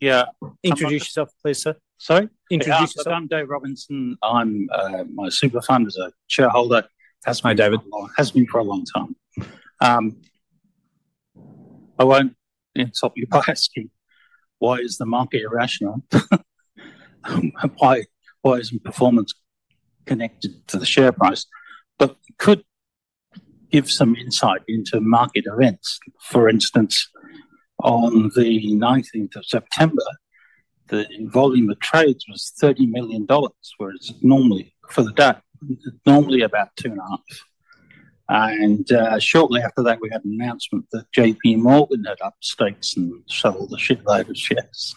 Yeah. Introduce yourself, please, sir. Sorry, introduce yourself. I'm Dave Robinson. My super fund is a shareholder. That's my David. It has been for a long time. I won't insult your pie. Why is the market irrational? Why isn't performance connected to the share price? Could you give some insight into market events? For instance, on the 19th of September, the volume of trades was $30 million, whereas normally for the day, it's normally about $2.5 million. Shortly after that, we had an announcement that JPMorgan Chase had upstates and sold the shareholders' shares.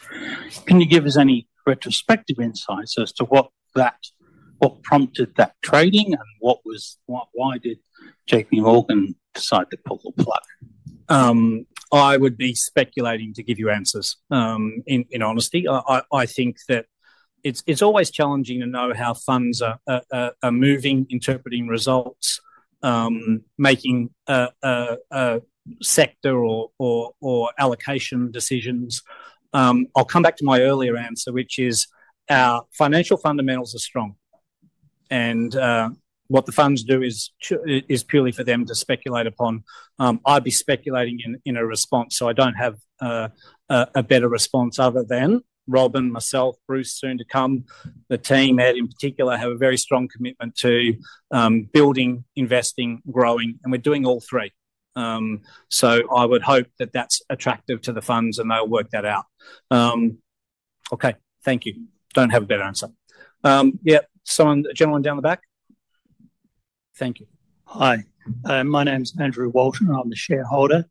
Can you give us any retrospective insights as to what prompted that trading and why did JPMorgan Chase decide to pull the plug? I would be speculating to give you answers, in honesty. I think that it's always challenging to know how funds are moving, interpreting results, making a sector or allocation decisions. I'll come back to my earlier answer, which is our financial fundamentals are strong. What the funds do is purely for them to speculate upon. I'd be speculating in a response, so I don't have a better response other than Robyn, myself, Bruce, soon to come, the team, Ed in particular, have a very strong commitment to building, investing, growing, and we're doing all three. I would hope that that's attractive to the funds, and they'll work that out. Thank you. Don't have a better answer. Yeah. Someone? A gentleman down the back. Thank you. Hi. My name's Andrew Walton. I'm the shareholder.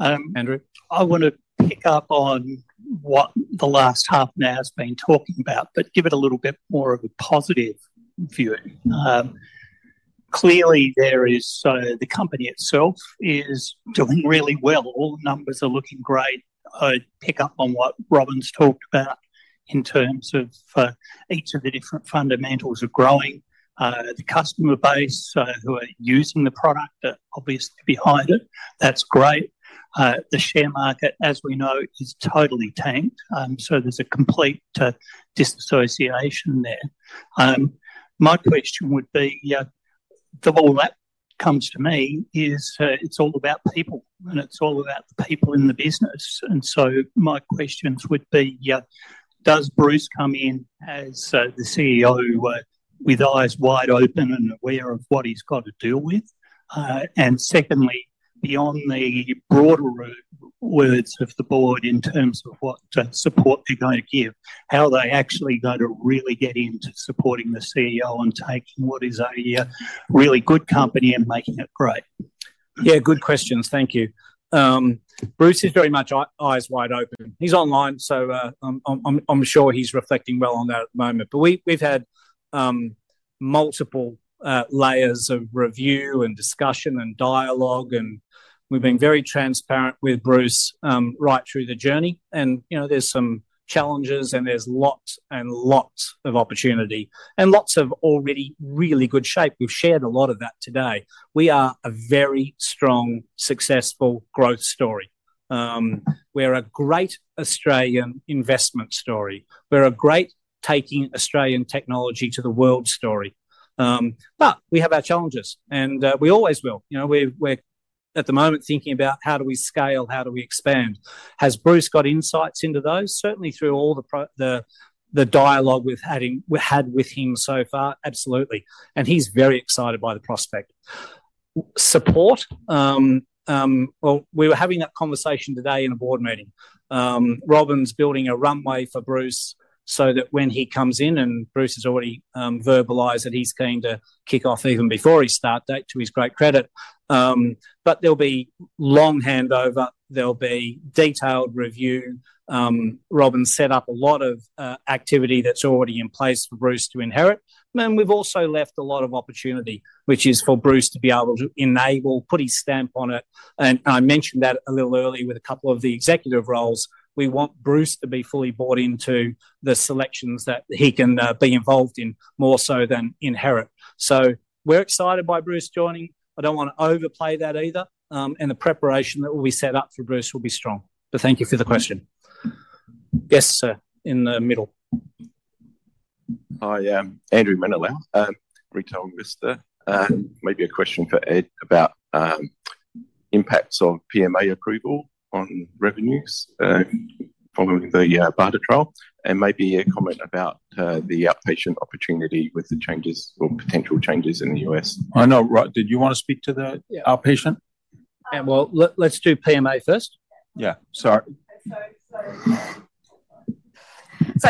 Andrew. I want to pick up on what the last half now has been talking about, but give it a little bit more of a positive view. Clearly, the company itself is doing really well. All the numbers are looking great. I'd pick up on what Robyn's talked about in terms of each of the different fundamentals of growing. The customer base who are using the product are obviously behind it. That's great. The share market, as we know, is totally tanked. There is a complete disassociation there. My question would be, the whole that comes to me is it's all about people, and it's all about the people in the business. My questions would be, does Bruce come in as the CEO with eyes wide open and aware of what he's got to deal with? Secondly, beyond the broader words of the board in terms of what support they're going to give, how are they actually going to really get into supporting the CEO and taking what is a really good company and making it great? Yeah, good questions. Thank you. Bruce is very much eyes wide open. He's online, so I'm sure he's reflecting well on that at the moment. We've had multiple layers of review, discussion, and dialogue, and we've been very transparent with Bruce right through the journey. You know there's some challenges, and there's lots and lots of opportunity and lots of already really good shape. We've shared a lot of that today. We are a very strong, successful growth story. We're a great Australian investment story. We're a great taking Australian technology to the world story. We have our challenges, and we always will. You know we're at the moment thinking about how do we scale, how do we expand. Has Bruce got insights into those? Certainly through all the dialogue we've had with him so far, absolutely. He's very excited by the prospect. Support. We were having that conversation today in a board meeting. Robyn's building a runway for Bruce so that when he comes in, and Bruce has already verbalized that he's keen to kick off even before his start date, to his great credit. There'll be long handover. There'll be detailed review. Robyn's set up a lot of activity that's already in place for Bruce to inherit. We've also left a lot of opportunity, which is for Bruce to be able to enable, put his stamp on it. I mentioned that a little earlier with a couple of the executive roles. We want Bruce to be fully bought into the selections that he can be involved in more so than inherit. We're excited by Bruce joining. I don't want to overplay that either. The preparation that will be set up for Bruce will be strong. Thank you for the question. Yes, sir, in the middle. Hi, Andrew Mennerlau. Retail investor. Maybe a question for Ed about impacts of PMA approval on revenues following the BARDA trial, and maybe a comment about the outpatient opportunity with the changes or potential changes in the U.S. I know, right. Did you want to speak to the outpatient? Let's do PMA first. Yeah. Sorry.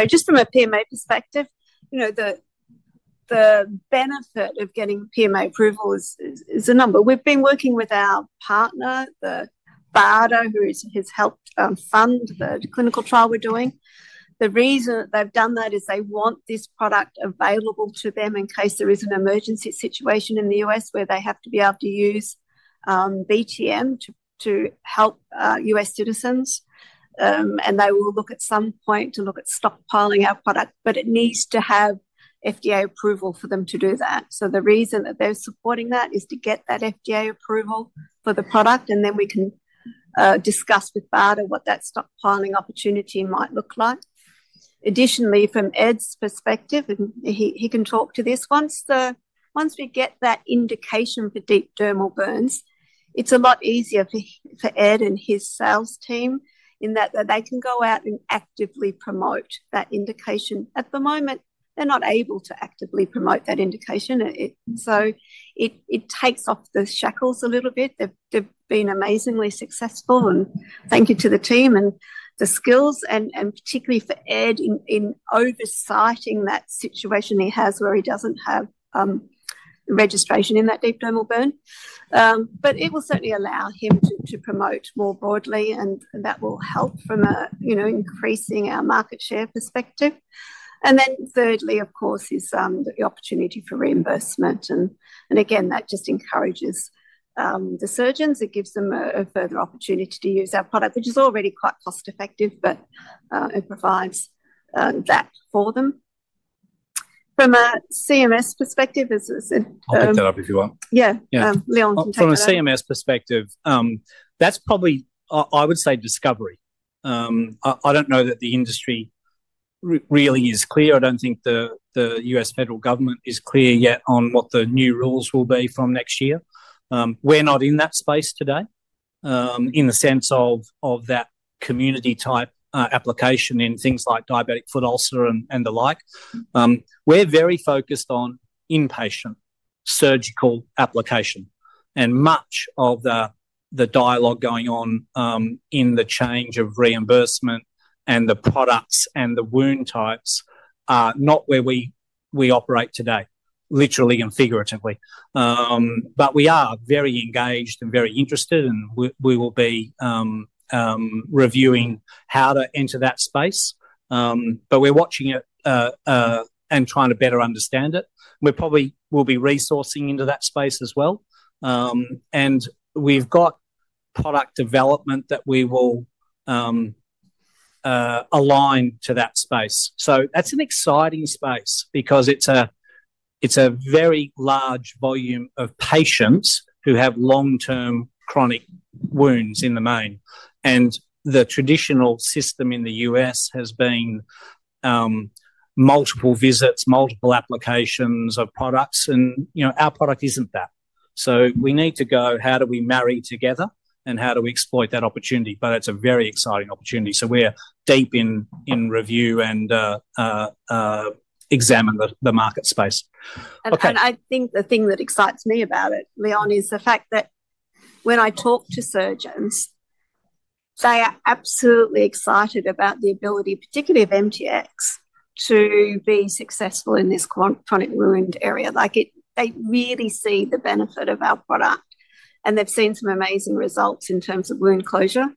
Just from a PMA perspective, you know the benefit of getting PMA approval is a number. We've been working with our partner, BARDA, who has helped fund the clinical trial we're doing. The reason that they've done that is they want this product available to them in case there is an emergency situation in the U.S. where they have to be able to use BTM to help U.S. citizens. They will look at some point to look at stockpiling our product, but it needs to have FDA approval for them to do that. The reason that they're supporting that is to get that FDA approval for the product, and then we can discuss with BARDA what that stockpiling opportunity might look like. Additionally, from Ed's perspective, and he can talk to this, once we get that indication for deep dermal burns, it's a lot easier for Ed and his sales team in that they can go out and actively promote that indication. At the moment, they're not able to actively promote that indication. It takes off the shackles a little bit. They've been amazingly successful, and thank you to the team and the skills, and particularly for Ed in oversighting that situation he has where he doesn't have registration in that deep dermal burn. It will certainly allow him to promote more broadly, and that will help from an increasing our market share perspective. Thirdly, of course, is the opportunity for reimbursement. Again, that just encourages the surgeons. It gives them a further opportunity to use our product, which is already quite cost-effective, but it provides that for them. From a CMS perspective, as I said. I'll put that up if you want. Yeah. Yeah. Leon, can you take that? From a CMS perspective, that's probably, I would say, discovery. I don't know that the industry really is clear. I don't think the U.S. federal government is clear yet on what the new rules will be from next year. We're not in that space today in the sense of that community-type application in things like diabetic foot ulcers and the like. We're very focused on inpatient surgical application. Much of the dialogue going on in the change of reimbursement and the products and the wound types are not where we operate today, literally and figuratively. We are very engaged and very interested, and we will be reviewing how to enter that space. We're watching it and trying to better understand it. We probably will be resourcing into that space as well. We've got product development that we will align to that space. That's an exciting space because it's a very large volume of patients who have long-term chronic wounds in the main. The traditional system in the U.S. has been multiple visits, multiple applications of products, and our product isn't that. We need to go, how do we marry together and how do we exploit that opportunity? It's a very exciting opportunity. We're deep in review and examining the market space. I think the thing that excites me about it, Leon, is the fact that when I talk to surgeons, they are absolutely excited about the ability, particularly of MTX, to be successful in this chronic wound area. They really see the benefit of our product, and they've seen some amazing results in terms of wound closure.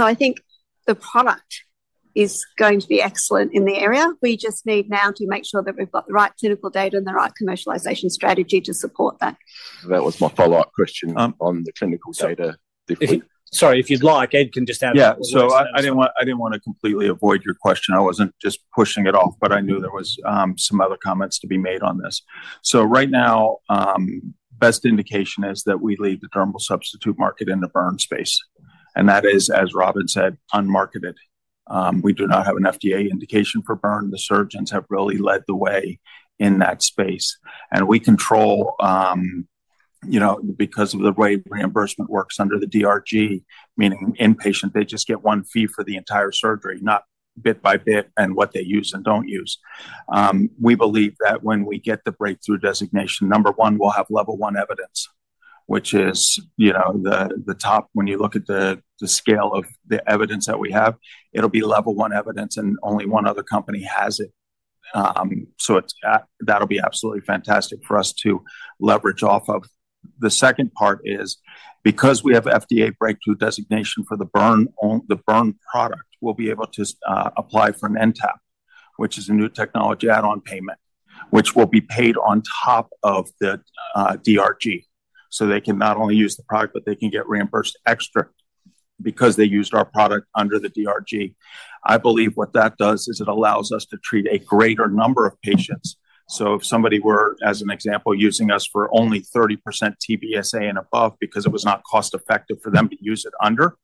I think the product is going to be excellent in the area. We just need now to make sure that we've got the right clinical data and the right commercialization strategy to support that. That was my follow-up question on the clinical data. Sorry, if you'd like, Ed can just add a little bit. Yeah. I didn't want to completely avoid your question. I wasn't just pushing it off, but I knew there were some other comments to be made on this. Right now, best indication is that we lead the dermal substitute market in the burn space. That is, as Robyn said, unmarketed. We do not have an FDA indication for burn. The surgeons have really led the way in that space. We control, you know, because of the way reimbursement works under the DRG, meaning inpatient, they just get one fee for the entire surgery, not bit by bit and what they use and don't use. We believe that when we get the breakthrough designation, number one, we'll have level one evidence, which is, you know, the top. When you look at the scale of the evidence that we have, it'll be level one evidence, and only one other company has it. That'll be absolutely fantastic for us to leverage off of. The second part is because we have FDA breakthrough designation for the burn product, we'll be able to apply for an NTAP, which is a new technology add-on payment, which will be paid on top of the DRG. They can not only use the product, but they can get reimbursed extra because they used our product under the DRG. I believe what that does is it allows us to treat a greater number of patients. If somebody were, as an example, using us for only 30% TBSA and above because it was not cost-effective for them to use it under,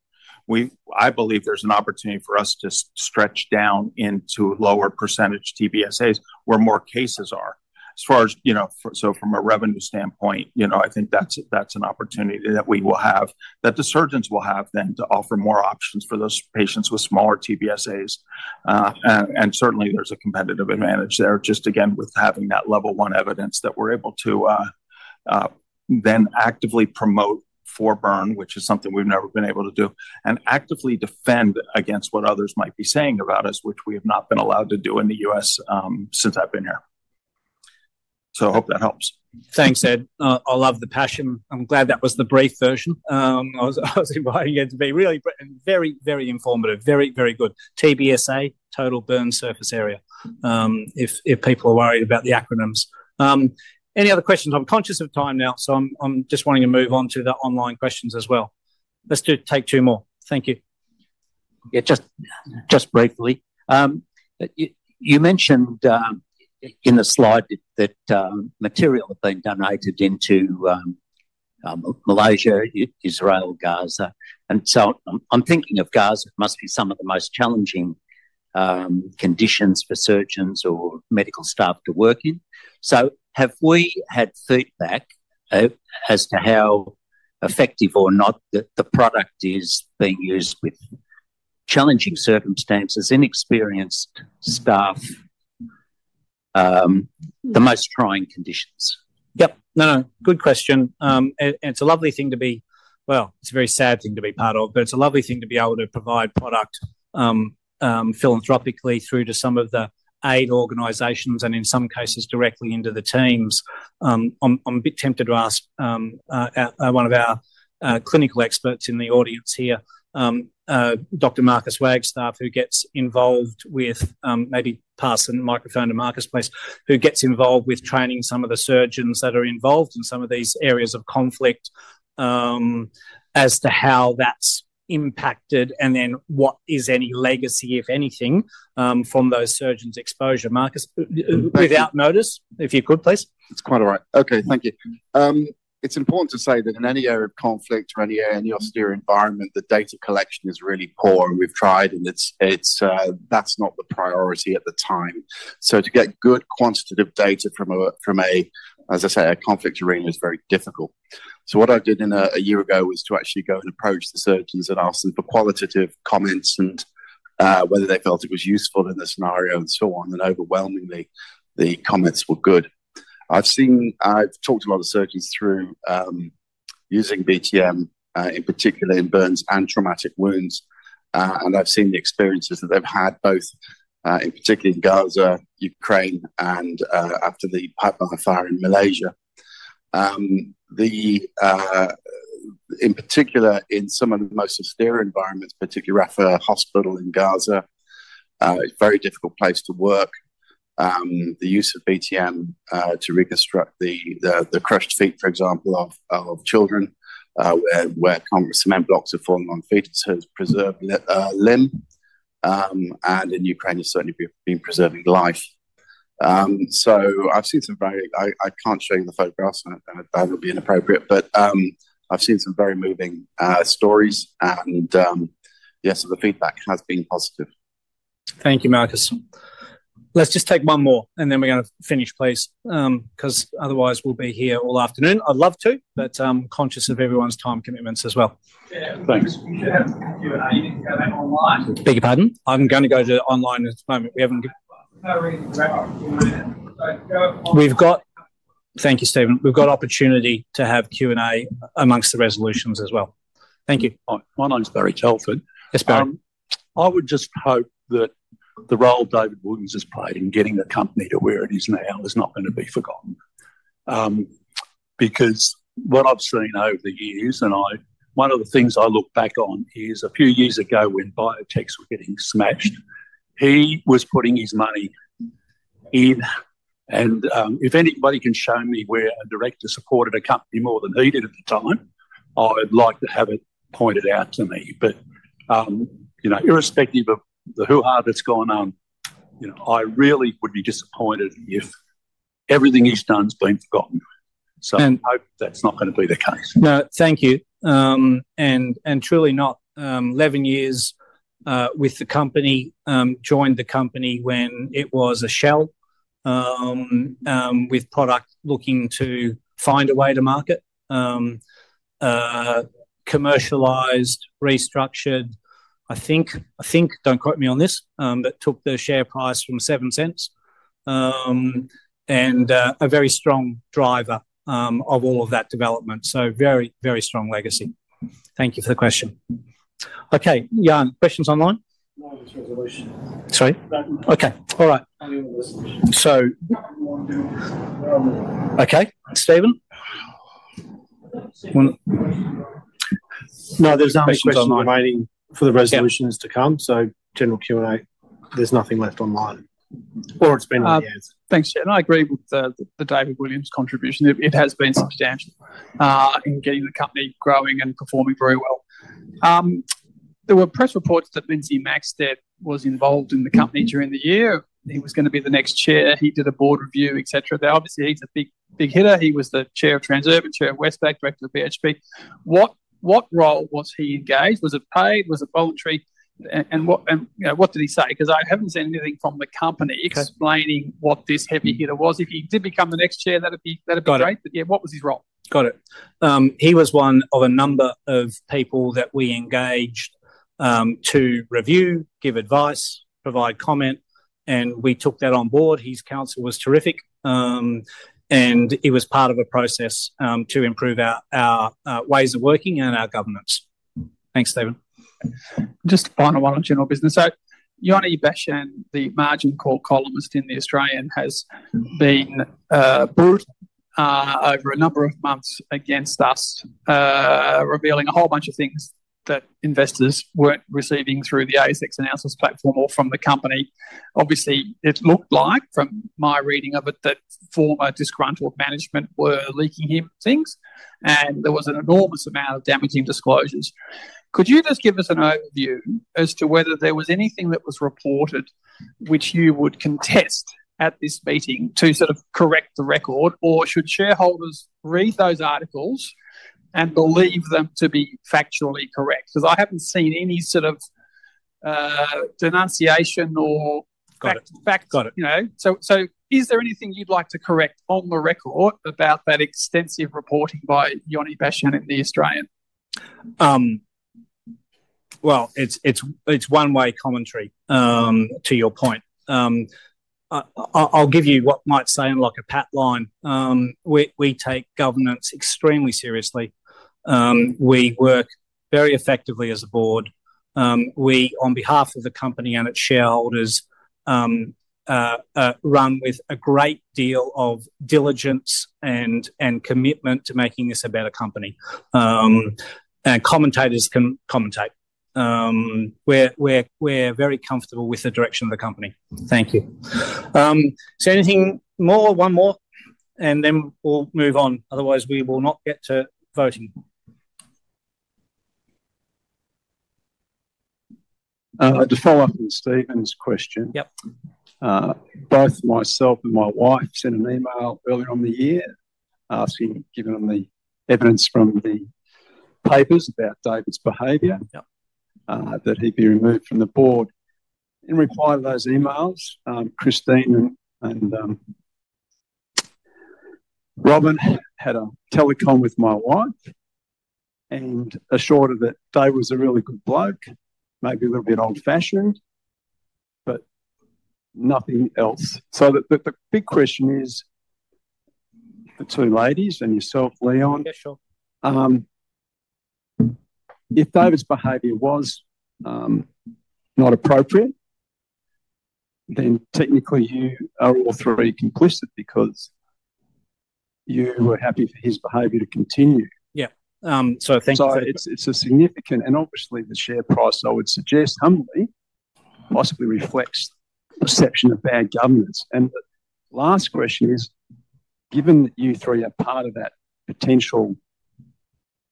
I believe there's an opportunity for us to stretch down into lower percentage TBSAs where more cases are. As far as, you know, from a revenue standpoint, I think that's an opportunity that we will have, that the surgeons will have then to offer more options for those patients with smaller TBSAs. Certainly, there's a competitive advantage there just again with having that level one evidence that we're able to then actively promote for burn, which is something we've never been able to do, and actively defend against what others might be saying about us, which we have not been allowed to do in the U.S. since I've been here. I hope that helps. Thanks, Ed. I love the passion. I'm glad that was the brave version. I was inviting Ed to be really very, very informative, very, very good. TBSA, total burn surface area, if people are worried about the acronyms. Any other questions? I'm conscious of time now, so I'm just wanting to move on to the online questions as well. Let's do take two more. Thank you. Yeah, just briefly. You mentioned in the slide that material had been donated into Malaysia, Israel, Gaza, and so I'm thinking of Gaza. It must be some of the most challenging conditions. Have we had feedback as to how effective or not the product is being used with challenging circumstances, inexperienced staff, the most trying conditions? No, good question. It's a lovely thing to be, it's a very sad thing to be part of, but it's a lovely thing to be able to provide product philanthropically through to some of the aid organizations and, in some cases, directly into the teams. I'm a bit tempted to ask one of our clinical experts in the audience here, Dr. Marcus Wagstaff, who gets involved with, maybe pass the microphone to Marcus please, who gets involved with training some of the surgeons that are involved in some of these areas of conflict as to how that's impacted and then what is any legacy, if anything, from those surgeons' exposure. Marcus, without notice, if you could please. It's quite all right. OK, thank you. It's important to say that in any area of conflict or any area in the austere environment, the data collection is really poor. We've tried, and that's not the priority at the time. To get good quantitative data from a, as I say, a conflict arena is very difficult. What I did a year ago was to actually go and approach the surgeons and ask them for qualitative comments and whether they felt it was useful in the scenario and so on. Overwhelmingly, the comments were good. I've talked to a lot of surgeons through using BTM, in particular in burns and traumatic wounds. I've seen the experiences that they've had, both in particular in Gaza, Ukraine, and after the Pipeline Fire in Malaysia. In particular, in some of the most austere environments, particularly Rafah Hospital in Gaza, it's a very difficult place to work. The use of BTM to reconstruct the crushed feet, for example, of children, where cement blocks are falling on feet to preserve limb. In Ukraine, it's certainly been preserving life. I've seen some very, I can't show you the photographs. That would be inappropriate. I've seen some very moving stories. Yes, the feedback has been positive. Thank you, Marcus. Let's just take one more, and then we're going to finish, please, because otherwise, we'll be here all afternoon. I'd love to, but I'm conscious of everyone's time commitments as well. Thanks. Yeah, Q&A online. Beg your pardon? I'm going to go to online at the moment. We haven't. No reason for that. Thank you, Stephen. We've got opportunity to have Q&A amongst the resolutions as well. Thank you. My name's Barry Telford. Yes, Barry. I would just hope that the role David Williams has played in getting the company to where it is now is not going to be forgotten. What I've seen over the years, and one of the things I look back on is a few years ago when biotechs were getting smashed, he was putting his money in. If anybody can show me where a director supported a company more than he did at the time, I would like to have it pointed out to me. Irrespective of how hard it's gone on, I really would be disappointed if everything he's done has been forgotten. I hope that's not going to be the case. No, thank you. Truly not. 11 years with the company, joined the company when it was a shell with product looking to find a way to market, commercialized, restructured. I think, don't quote me on this, but took the share price from $0.07. A very strong driver of all of that development. Very, very strong legacy. Thank you for the question. OK. Jan, questions online? No, there's resolution. Sorry? That one. OK, all right. I hear the resolution. OK. Stephen? No, there's no resolution online. The question remaining for the resolution is to come. General Q&A, there's nothing left online or it's been on the air. Thanks, Chair. I agree with the David Williams contribution. It has been substantial in getting the company growing and performing very well. There were press reports that Lindsay Maxsted was involved in the company during the year. He was going to be the next Chair. He did a board review, et cetera. Obviously, he's a big hitter. He was the Chair of Transurban, Chair of Westpac, Director of BHP. What role was he engaged? Was it paid? Was it voluntary? What did he say? I haven't seen anything from the company explaining what this heavy hitter was. If he did become the next Chair, that would be great. What was his role? Got it. He was one of a number of people that we engaged to review, give advice, provide comment. We took that on board. His counsel was terrific. He was part of a process to improve our ways of working and our governance. Thanks, Stephen. Just a final one on general business. Yana Ibasian, the Margin Call columnist in The Australian, has been booed over a number of months against us, revealing a whole bunch of things that investors weren't receiving through the ASX Analysis Platform or from the company. Obviously, it looked like, from my reading of it, that former disgruntled management were leaking him things. There was an enormous amount of damaging disclosures. Could you just give us an overview as to whether there was anything that was reported which you would contest at this meeting to sort of correct the record? Should shareholders read those articles and believe them to be factually correct? I haven't seen any sort of denunciation or facts. Got it. Is there anything you'd like to correct on the record about that extensive reporting by Yana Ibasian in The Australian? It's one-way commentary, to your point. I'll give you what might sound like a pat line. We take governance extremely seriously. We work very effectively as a board. We, on behalf of the company and its shareholders, run with a great deal of diligence and commitment to making this a better company. Commentators can commentate. We're very comfortable with the direction of the company. Thank you. Is there anything more? One more, and then we'll move on. Otherwise, we will not get to voting. I'd follow up on Stephen's question. Yep. Both myself and my wife sent an email earlier on the year asking, given the evidence from the papers about David's behavior, that he be removed from the board. In reply to those emails, Christine and Robyn had a telecon with my wife and assured her that David was a really good bloke, maybe a little bit old-fashioned, but nothing else. The big question is, the two ladies and yourself, Leon. Yeah, sure. If David's behavior was not appropriate, then technically, you are all three complicit because you were happy for his behavior to continue. Thank you. It's a significant, and obviously, the share price, I would suggest humbly, possibly reflects a perception of bad governance. The last question is, given that you three are part of that potential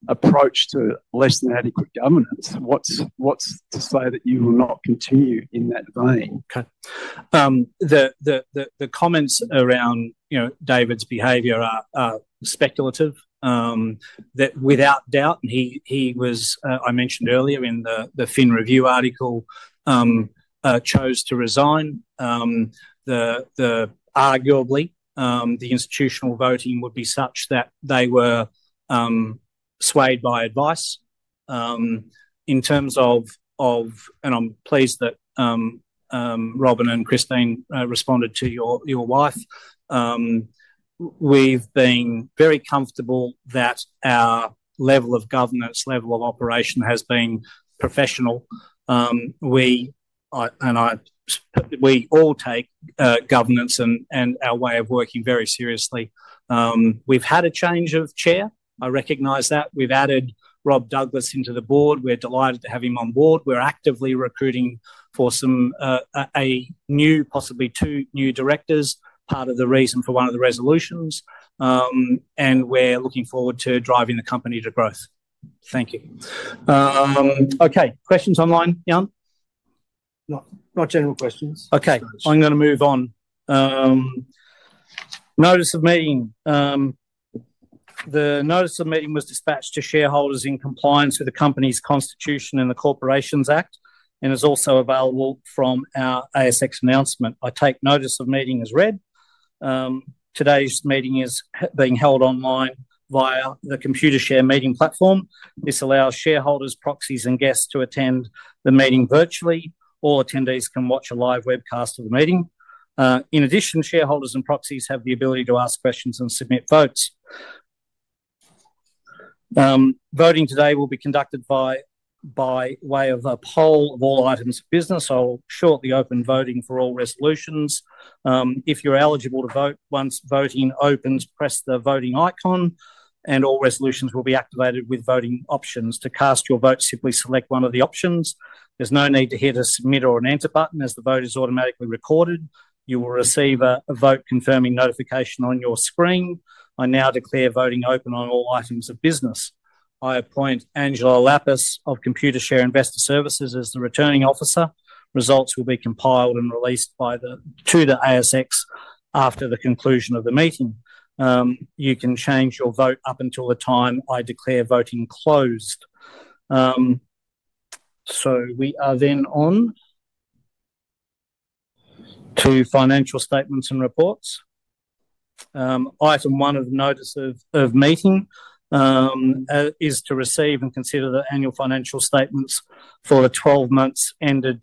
approach to less than adequate governance, what's to say that you will not continue in that vein? OK. The comments around David's behavior are speculative, that without doubt, and he was, I mentioned earlier in the FIN review article, chose to resign. Arguably, the institutional voting would be such that they were swayed by advice. In terms of, and I'm pleased that Robyn and Christine responded to your wife, we've been very comfortable that our level of governance, level of operation has been professional. We all take governance and our way of working very seriously. We've had a change of Chair. I recognize that. We've added Rob Douglas into the board. We're delighted to have him on board. We're actively recruiting for a new, possibly two new directors, part of the reason for one of the resolutions. We're looking forward to driving the company to growth. Thank you. OK. Questions online, Jan? Not general questions. OK. I'm going to move on. Notice of meeting. The notice of meeting was dispatched to shareholders in compliance with the company's Constitution and the Corporations Act and is also available from our ASX announcement. I take notice of meeting as read. Today's meeting is being held online via the Computershare meeting platform. This allows shareholders, proxies, and guests to attend the meeting virtually. All attendees can watch a live webcast of the meeting. In addition, shareholders and proxies have the ability to ask questions and submit votes. Voting today will be conducted by way of a poll of all items of business. I'll shortly open voting for all resolutions. If you're eligible to vote, once voting opens, press the voting icon, and all resolutions will be activated with voting options. To cast your vote, simply select one of the options. There's no need to hit a submit or an enter button, as the vote is automatically recorded. You will receive a vote confirming notification on your screen. I now declare voting open on all items of business. I appoint Angela Lapis of Computershare Investor Services as the returning officer. Results will be compiled and released to the ASX after the conclusion of the meeting. You can change your vote up until the time I declare voting closed. We are then on to financial statements and reports. Item one of the notice of meeting is to receive and consider the annual financial statements for the 12 months ended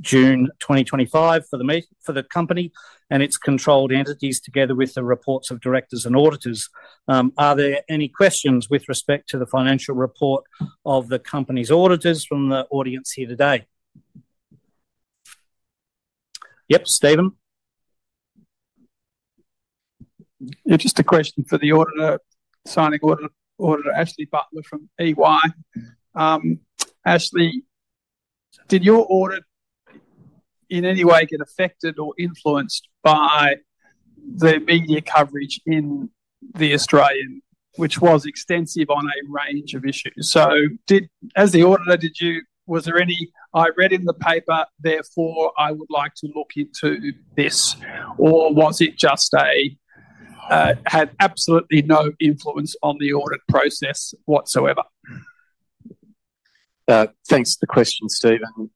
June 2025 for the company and its controlled entities, together with the reports of directors and auditors. Are there any questions with respect to the financial report of the company's auditors from the audience here today? Yep, Stephen. Just a question for the signing auditor, Ashley Butler from EY. Ashley, did your audit in any way get affected or influenced by the media coverage in The Australian, which was extensive on a range of issues? As the auditor, was there any, I read in the paper, therefore, I would like to look into this. Or was it just, had absolutely no influence on the audit process whatsoever? Thanks for the question, Stephen.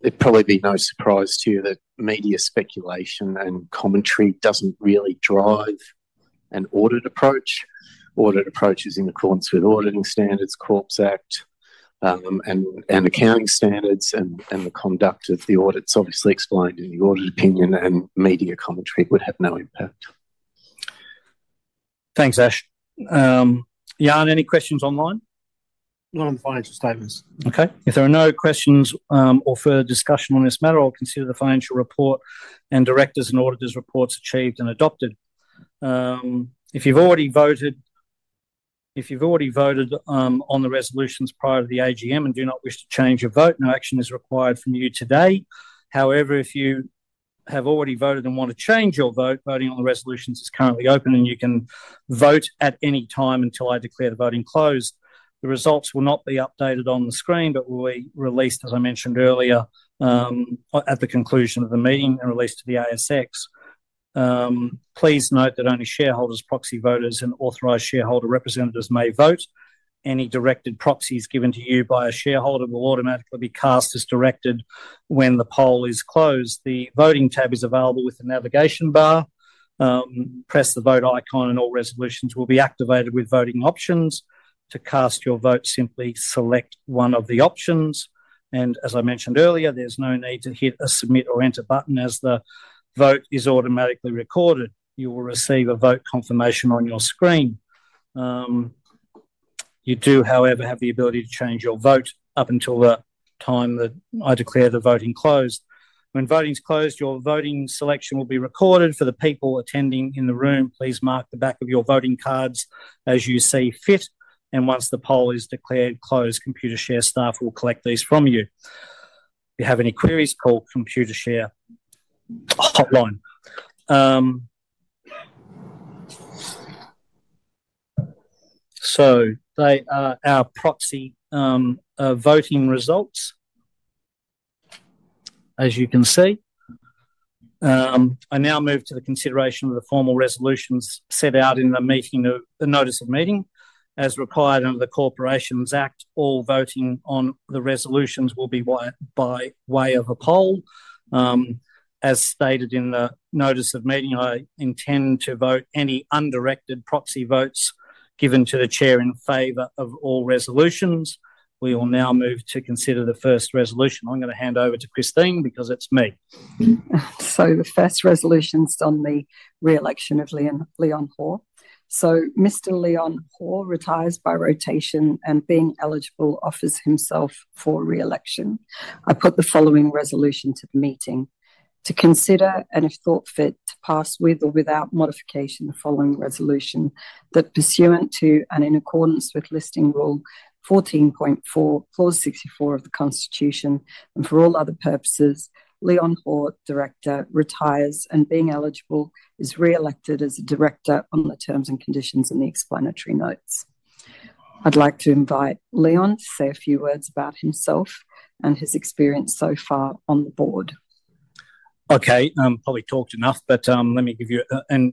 It'd probably be no surprise to you that media speculation and commentary doesn't really drive an audit approach. Audit approach is in accordance with auditing standards, Corporations Act, and accounting standards. The conduct of the audit's obviously explained in the audit opinion, and media commentary would have no impact. Thanks, Ash. Yan, any questions online? Not on the financial statements. OK. If there are no questions or further discussion on this matter, I'll consider the financial report and directors and auditors' reports achieved and adopted. If you've already voted on the resolutions prior to the AGM and do not wish to change your vote, no action is required from you today. However, if you have already voted and want to change your vote, voting on the resolutions is currently open, and you can vote at any time until I declare the voting closed. The results will not be updated on the screen, but will be released, as I mentioned earlier, at the conclusion of the meeting and released to the ASX. Please note that only shareholders, proxy voters, and authorized shareholder representatives may vote. Any directed proxies given to you by a shareholder will automatically be cast as directed when the poll is closed. The voting tab is available with the navigation bar. Press the vote icon, and all resolutions will be activated with voting options. To cast your vote, simply select one of the options. As I mentioned earlier, there's no need to hit a submit or enter button, as the vote is automatically recorded. You will receive a vote confirmation on your screen. You do, however, have the ability to change your vote up until the time that I declare the voting closed. When voting's closed, your voting selection will be recorded. For the people attending in the room, please mark the back of your voting cards as you see fit. Once the poll is declared closed, Computershare staff will collect these from you. If you have any queries, call Computershare hotline. They are our proxy voting results, as you can see. I now move to the consideration of the formal resolutions set out in the notice of meeting. As required under the Corporations Act, all voting on the resolutions will be by way of a poll. As stated in the notice of meeting, I intend to vote any undirected proxy votes given to the Chair in favor of all resolutions. We will now move to consider the first resolution. I'm going to hand over to Christine because it's me. The first resolution is on the reelection of Leon Hoare. Mr. Leon Hoare retires by rotation and, being eligible, offers himself for reelection. I put the following resolution to the meeting: to consider and, if thought fit, to pass with or without modification the following resolution that, pursuant to and in accordance with Listing Rule 14.4, Clause 64 of the Constitution, and for all other purposes, Leon Hoare, Director, retires and, being eligible, is reelected as a director on the terms and conditions in the explanatory notes. I'd like to invite Leon to say a few words about himself and his experience so far on the board. OK. Probably talked enough, but let me give you, and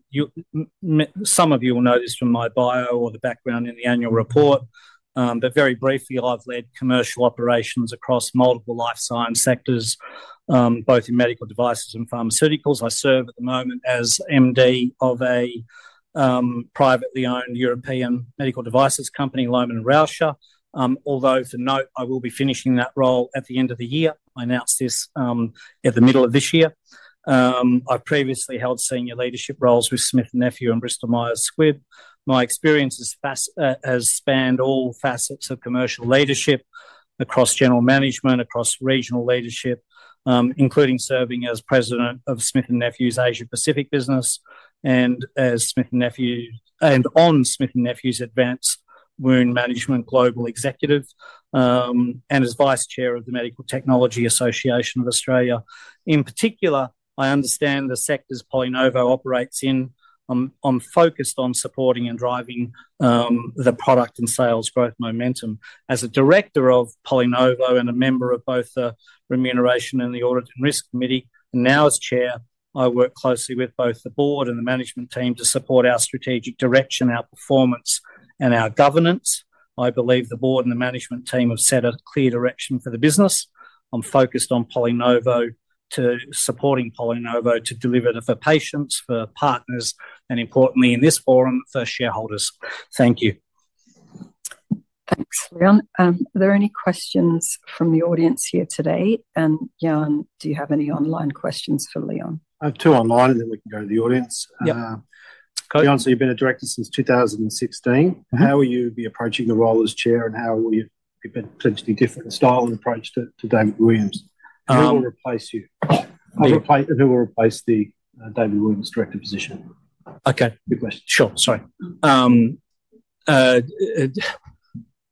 some of you will know this from my bio or the background in the annual report. Very briefly, I've led commercial operations across multiple life science sectors, both in medical devices and pharmaceuticals. I serve at the moment as MD of a privately owned European medical devices company, L&R. Although, to note, I will be finishing that role at the end of the year. I announced this at the middle of this year. I've previously held senior leadership roles with Smith & Nephew and Bristol-Myers Squibb. My experience has spanned all facets of commercial leadership across general management, across regional leadership, including serving as President of Smith & Nephew's Asia Pacific business and on Smith & Nephew's Advanced Wound Management global executive, and as Vice Chair of the Medical Technology Association of Australia. In particular, I understand the sectors PolyNovo operates in. I'm focused on supporting and driving the product and sales growth momentum. As a director of PolyNovo and a member of both the Remuneration and the Audit and Risk Committee, and now as Chair, I work closely with both the board and the management team to support our strategic direction, our performance, and our governance. I believe the board and the management team have set a clear direction for the business. I'm focused on PolyNovo, supporting PolyNovo to deliver for patients, for partners, and importantly, in this forum, for shareholders. Thank you. Thanks, Leon. Are there any questions from the audience here today? Jan, do you have any online questions for Leon? I have two online, and then we can go to the audience. Yeah. Leon, so you've been a director since 2016. How will you be approaching your role as Chair, and how will you be potentially different in style and approach to David Williams? Who will replace you? Who will replace the David Williams director position? OK. Good question. Sure, sorry.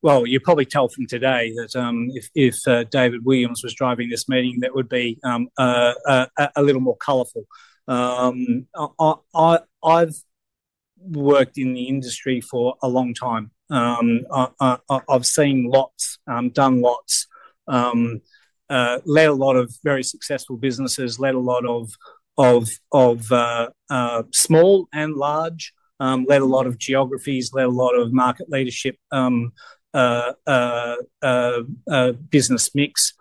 You probably tell from today that if David Williams was driving this meeting, that would be a little more colorful. I've worked in the industry for a long time. I've seen lots, done lots, led a lot of very successful businesses, led a lot of small and large, led a lot of geographies, led a lot of market leadership business mix.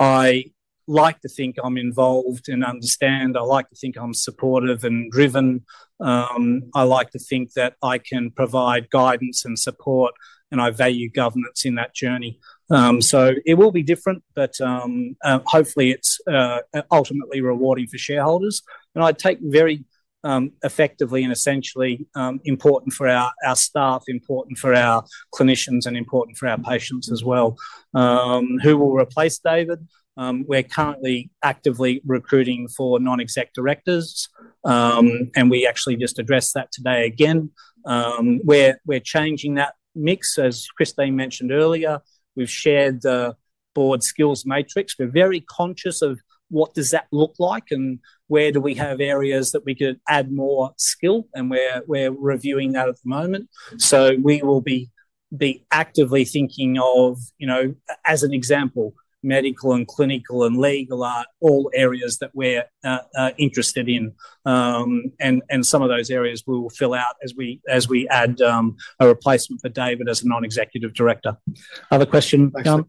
I like to think I'm involved and understand. I like to think I'm supportive and driven. I like to think that I can provide guidance and support, and I value governance in that journey. It will be different, but hopefully, it's ultimately rewarding for shareholders. I take very effectively and essentially important for our staff, important for our clinicians, and important for our patients as well. Who will replace David? We're currently actively recruiting for non-exec directors. We actually just addressed that today again. We're changing that mix. As Christine Emmanuel mentioned earlier, we've shared the Board Skills Matrix. We're very conscious of what does that look like, and where do we have areas that we could add more skill, and we're reviewing that at the moment. We will be actively thinking of, you know, as an example, medical and clinical and legal are all areas that we're interested in. Some of those areas we will fill out as we add a replacement for David as a Non-Executive Director. Other questions, Jan?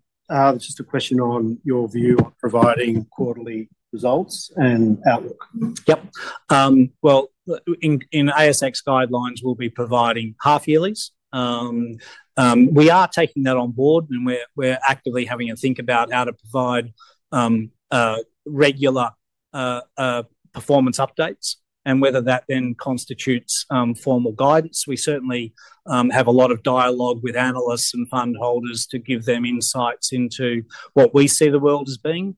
Just a question on your view on providing quarterly results and outlook. In ASX guidelines, we'll be providing half yearlys. We are taking that on board, and we're actively having a think about how to provide regular performance updates and whether that then constitutes formal guidance. We certainly have a lot of dialogue with analysts and fund holders to give them insights into what we see the world as being.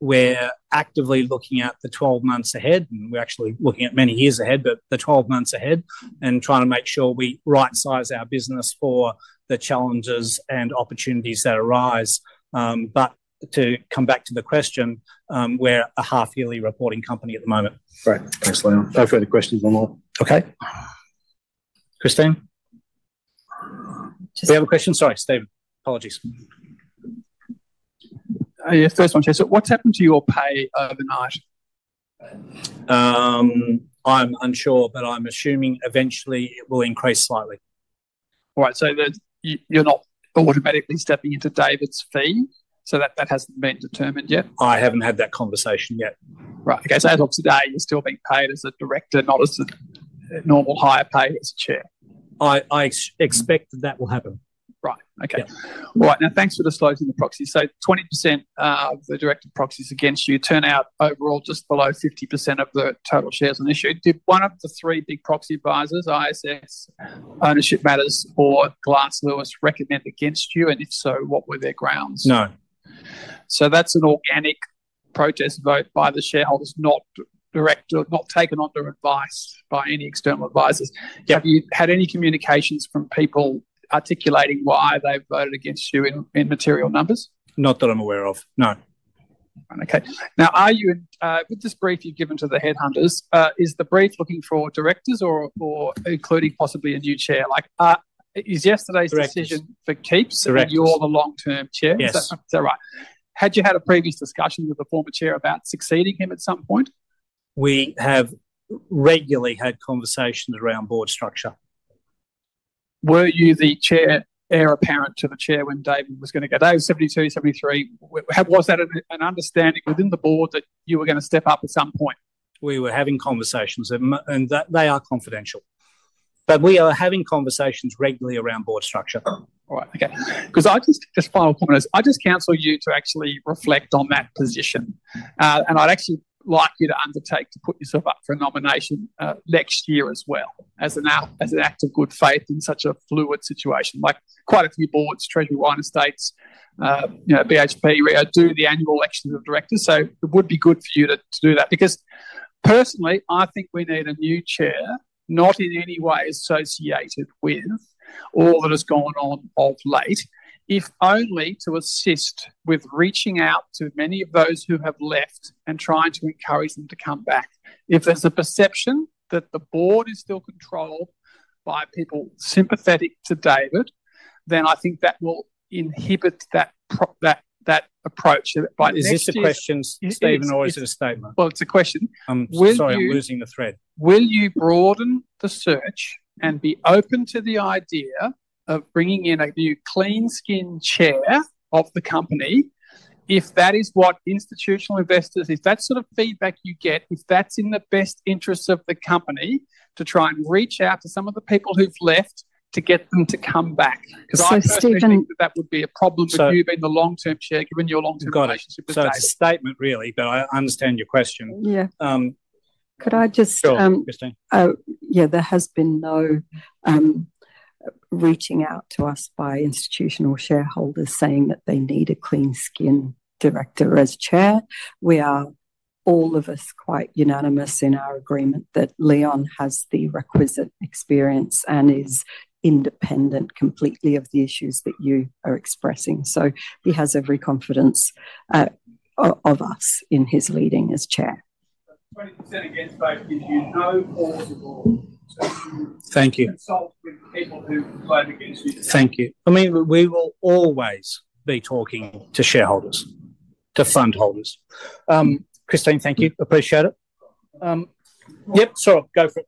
We're actively looking at the 12 months ahead, and we're actually looking at many years ahead, but the 12 months ahead and trying to make sure we right-size our business for the challenges and opportunities that arise. To come back to the question, we're a half yearly reporting company at the moment. Great. Thanks, Leon. No further questions online. OK. Christine, we have a question. Sorry, Stephen. Apologies. Yes, first one, Chair. What's happened to your pay overnight? I'm unsure, but I'm assuming eventually it will increase slightly. All right. You're not automatically stepping into David's fee? That hasn't been determined yet? I haven't had that conversation yet. Right. OK. As of today, you're still being paid as a director, not as a normal higher pay as a Chair? I expect that will happen. Right. OK. Yeah. All right. Thanks for disclosing the proxies. 20% of the director proxies against you turn out overall just below 50% of the total shares on issue. Did one of the three big proxy advisors, ISS, Ownership Matters, or Glass Lewis, recommend against you? If so, what were their grounds? No. That's an organic protest vote by the shareholders, not taken under advice by any external advisors. Yeah. Have you had any communications from people articulating why they voted against you in material numbers? Not that I'm aware of. No. OK. Now, with this brief you've given to the headhunters, is the brief looking for directors or including possibly a new Chair? Is yesterday's decision for keeps? Correct. You're the long-term Chair? Yes. Is that right? Had you had a previous discussion with the former Chair about succeeding him at some point? We have regularly had conversations around board structure. Were you the Chair heir apparent to the Chair when David was going to go? David was 72, 73. Was that an understanding within the Board that you were going to step up at some point? We were having conversations, and they are confidential. We are having conversations regularly around board structure. All right. OK. Just a final point is, I counsel you to actually reflect on that position. I'd like you to undertake to put yourself up for a nomination next year as well, as an act of good faith in such a fluid situation. Quite a few boards, Treasury of the United States, BHP, do the annual elections of directors. It would be good for you to do that. Personally, I think we need a new Chair, not in any way associated with all that has gone on of late, if only to assist with reaching out to many of those who have left and trying to encourage them to come back. If there's a perception that the board is still controlled by people sympathetic to David Williams, then I think that will inhibit that approach. Is this a question, Stephen, or is it a statement? It's a question. Sorry, I'm losing the thread. Will you broaden the search and be open to the idea of bringing in a new clean-skinned Chair of the company if that is what institutional investors, if that's sort of feedback you get, if that's in the best interests of the company to try and reach out to some of the people who've left to get them to come back? So Stephen. Because I think that would be a problem with you being the long-term Chair, given your long-term relationship with David Williams. Got it. It's a statement, really, but I understand your question. Yeah. Could I just. Sure, Christine. Yeah, there has been no reaching out to us by institutional shareholders saying that they need a clean-skinned director as Chair. We are, all of us, quite unanimous in our agreement that Leon has the requisite experience and is independent completely of the issues that you are expressing. He has every confidence of us in his leading as Chair. 20% against both gives you no audio to consult with the people who voted against you. Thank you. I mean, we will always be talking to shareholders, to fund holders. Christine, thank you. Appreciate it. Sorry. Go for it.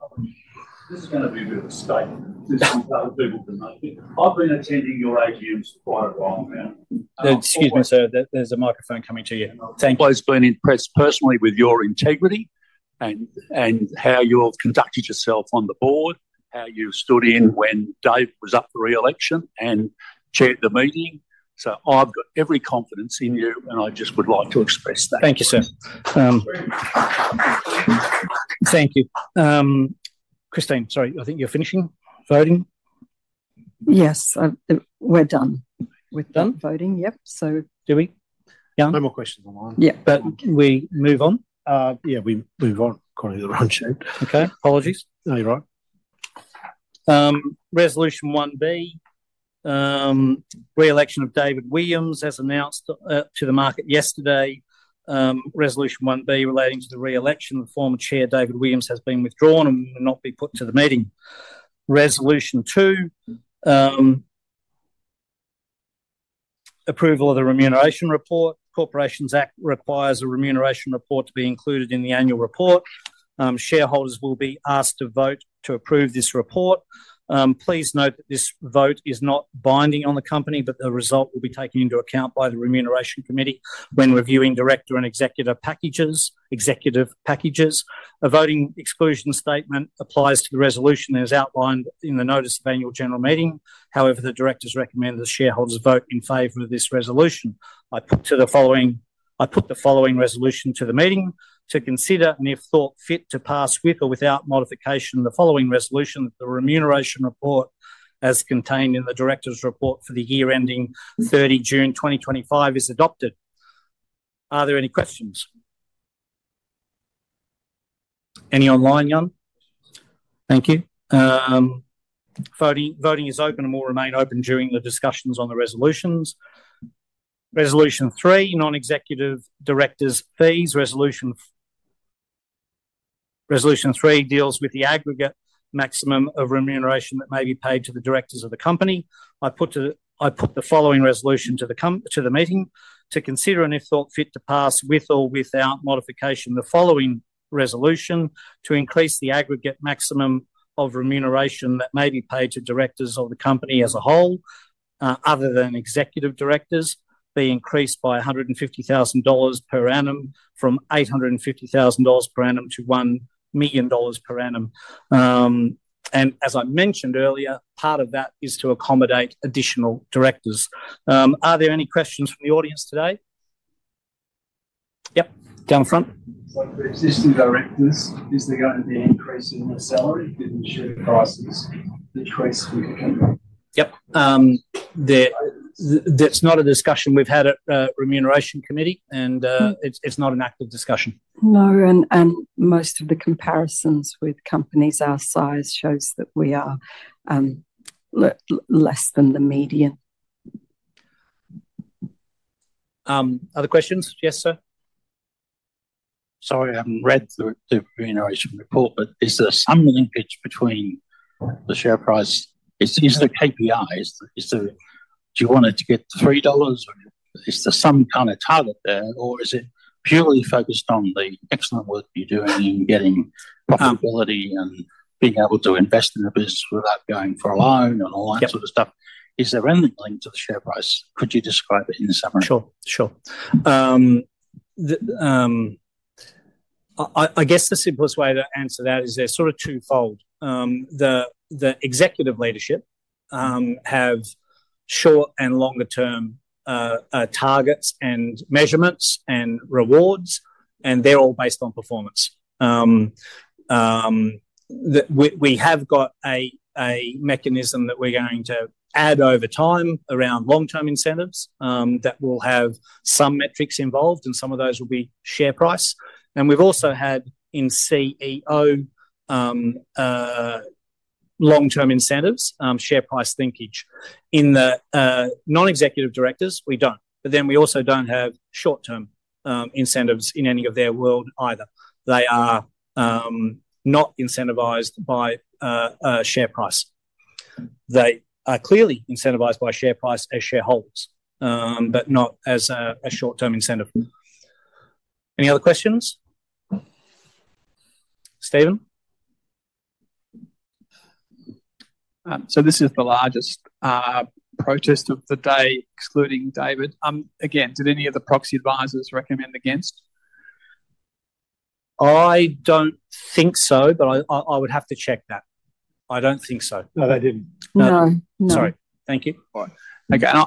This is going to be a bit of a statement. This is other people. I've been attending your AGMs for quite a while, man. Excuse me, sir. There's a microphone coming to you. Thank you. I've always been impressed personally with your integrity and how you've conducted yourself on the board, how you stood in when David was up for reelection and chaired the meeting. I have every confidence in you, and I just would like to express that. Thank you, sir. Thank you. Christine, sorry, I think you're finishing voting. Yes, we're done. We're done? Voting, yep. Do we? Yeah? No more questions online. Yeah, can we move on? Yeah, we move on. Quite a bit of run through. OK. Apologies. No, you're all right. Resolution 1B, reelection of David Williams as announced to the market yesterday. Resolution 1B relating to the reelection of the former Chair David Williams has been withdrawn and will not be put to the meeting. Resolution 2, approval of the remuneration report. The Corporations Act requires a remuneration report to be included in the annual report. Shareholders will be asked to vote to approve this report. Please note that this vote is not binding on the company, but the result will be taken into account by the Remuneration Committee when reviewing director and executive packages. A voting exclusion statement applies to the resolution as outlined in the notice of annual general meeting. However, the directors recommend that shareholders vote in favor of this resolution. I put the following resolution to the meeting to consider and, if thought fit, to pass with or without modification the following resolution: that the remuneration report as contained in the directors' report for the year ending 30 June 2025 is adopted. Are there any questions? Any online, Jan? Thank you. Voting is open and will remain open during the discussions on the resolutions. Resolution 3, non-executive directors' fees. Resolution 3 deals with the aggregate maximum of remuneration that may be paid to the directors of the company. I put the following resolution to the meeting to consider and, if thought fit, to pass with or without modification the following resolution: to increase the aggregate maximum of remuneration that may be paid to directors of the company as a whole, other than executive directors, be increased by $150,000 per annum from $850,000 per annum to $1 million per annum. As I mentioned earlier, part of that is to accommodate additional directors. Are there any questions from the audience today? Yep, down the front. What about the existing directors? Is there going to be an increase in their salary if the insurance prices decrease significantly? Yep. That's not a discussion we've had at the Remuneration Committee, and it's not an active discussion. No. Most of the comparisons with companies our size show that we are less than the median. Other questions? Yes, sir? Sorry, I haven't read the remuneration report, but is there some linkage between the share price? Is the KPI, do you want it to get to $3? Is there some kind of target there, or is it purely focused on the excellent work you're doing and getting profitability and being able to invest in the business without going for a loan and all that sort of stuff? Is there any link to the share price? Could you describe it in summary? Sure, sure. I guess the simplest way to answer that is they're sort of twofold. The executive leadership have short and longer-term targets and measurements and rewards, and they're all based on performance. We have got a mechanism that we're going to add over time around long-term incentives that will have some metrics involved, and some of those will be share price. We've also had in CEO long-term incentives, share price linkage. In the non-executive directors, we don't. We also don't have short-term incentives in any of their world either. They are not incentivized by share price. They are clearly incentivized by share price as shareholders, but not as a short-term incentive. Any other questions? Stephen? This is the largest protest of the day, excluding David. Did any of the proxy advisors recommend against? I would have to check that. I don't think so. No, they didn't. No, no. Sorry, thank you. All right. OK. I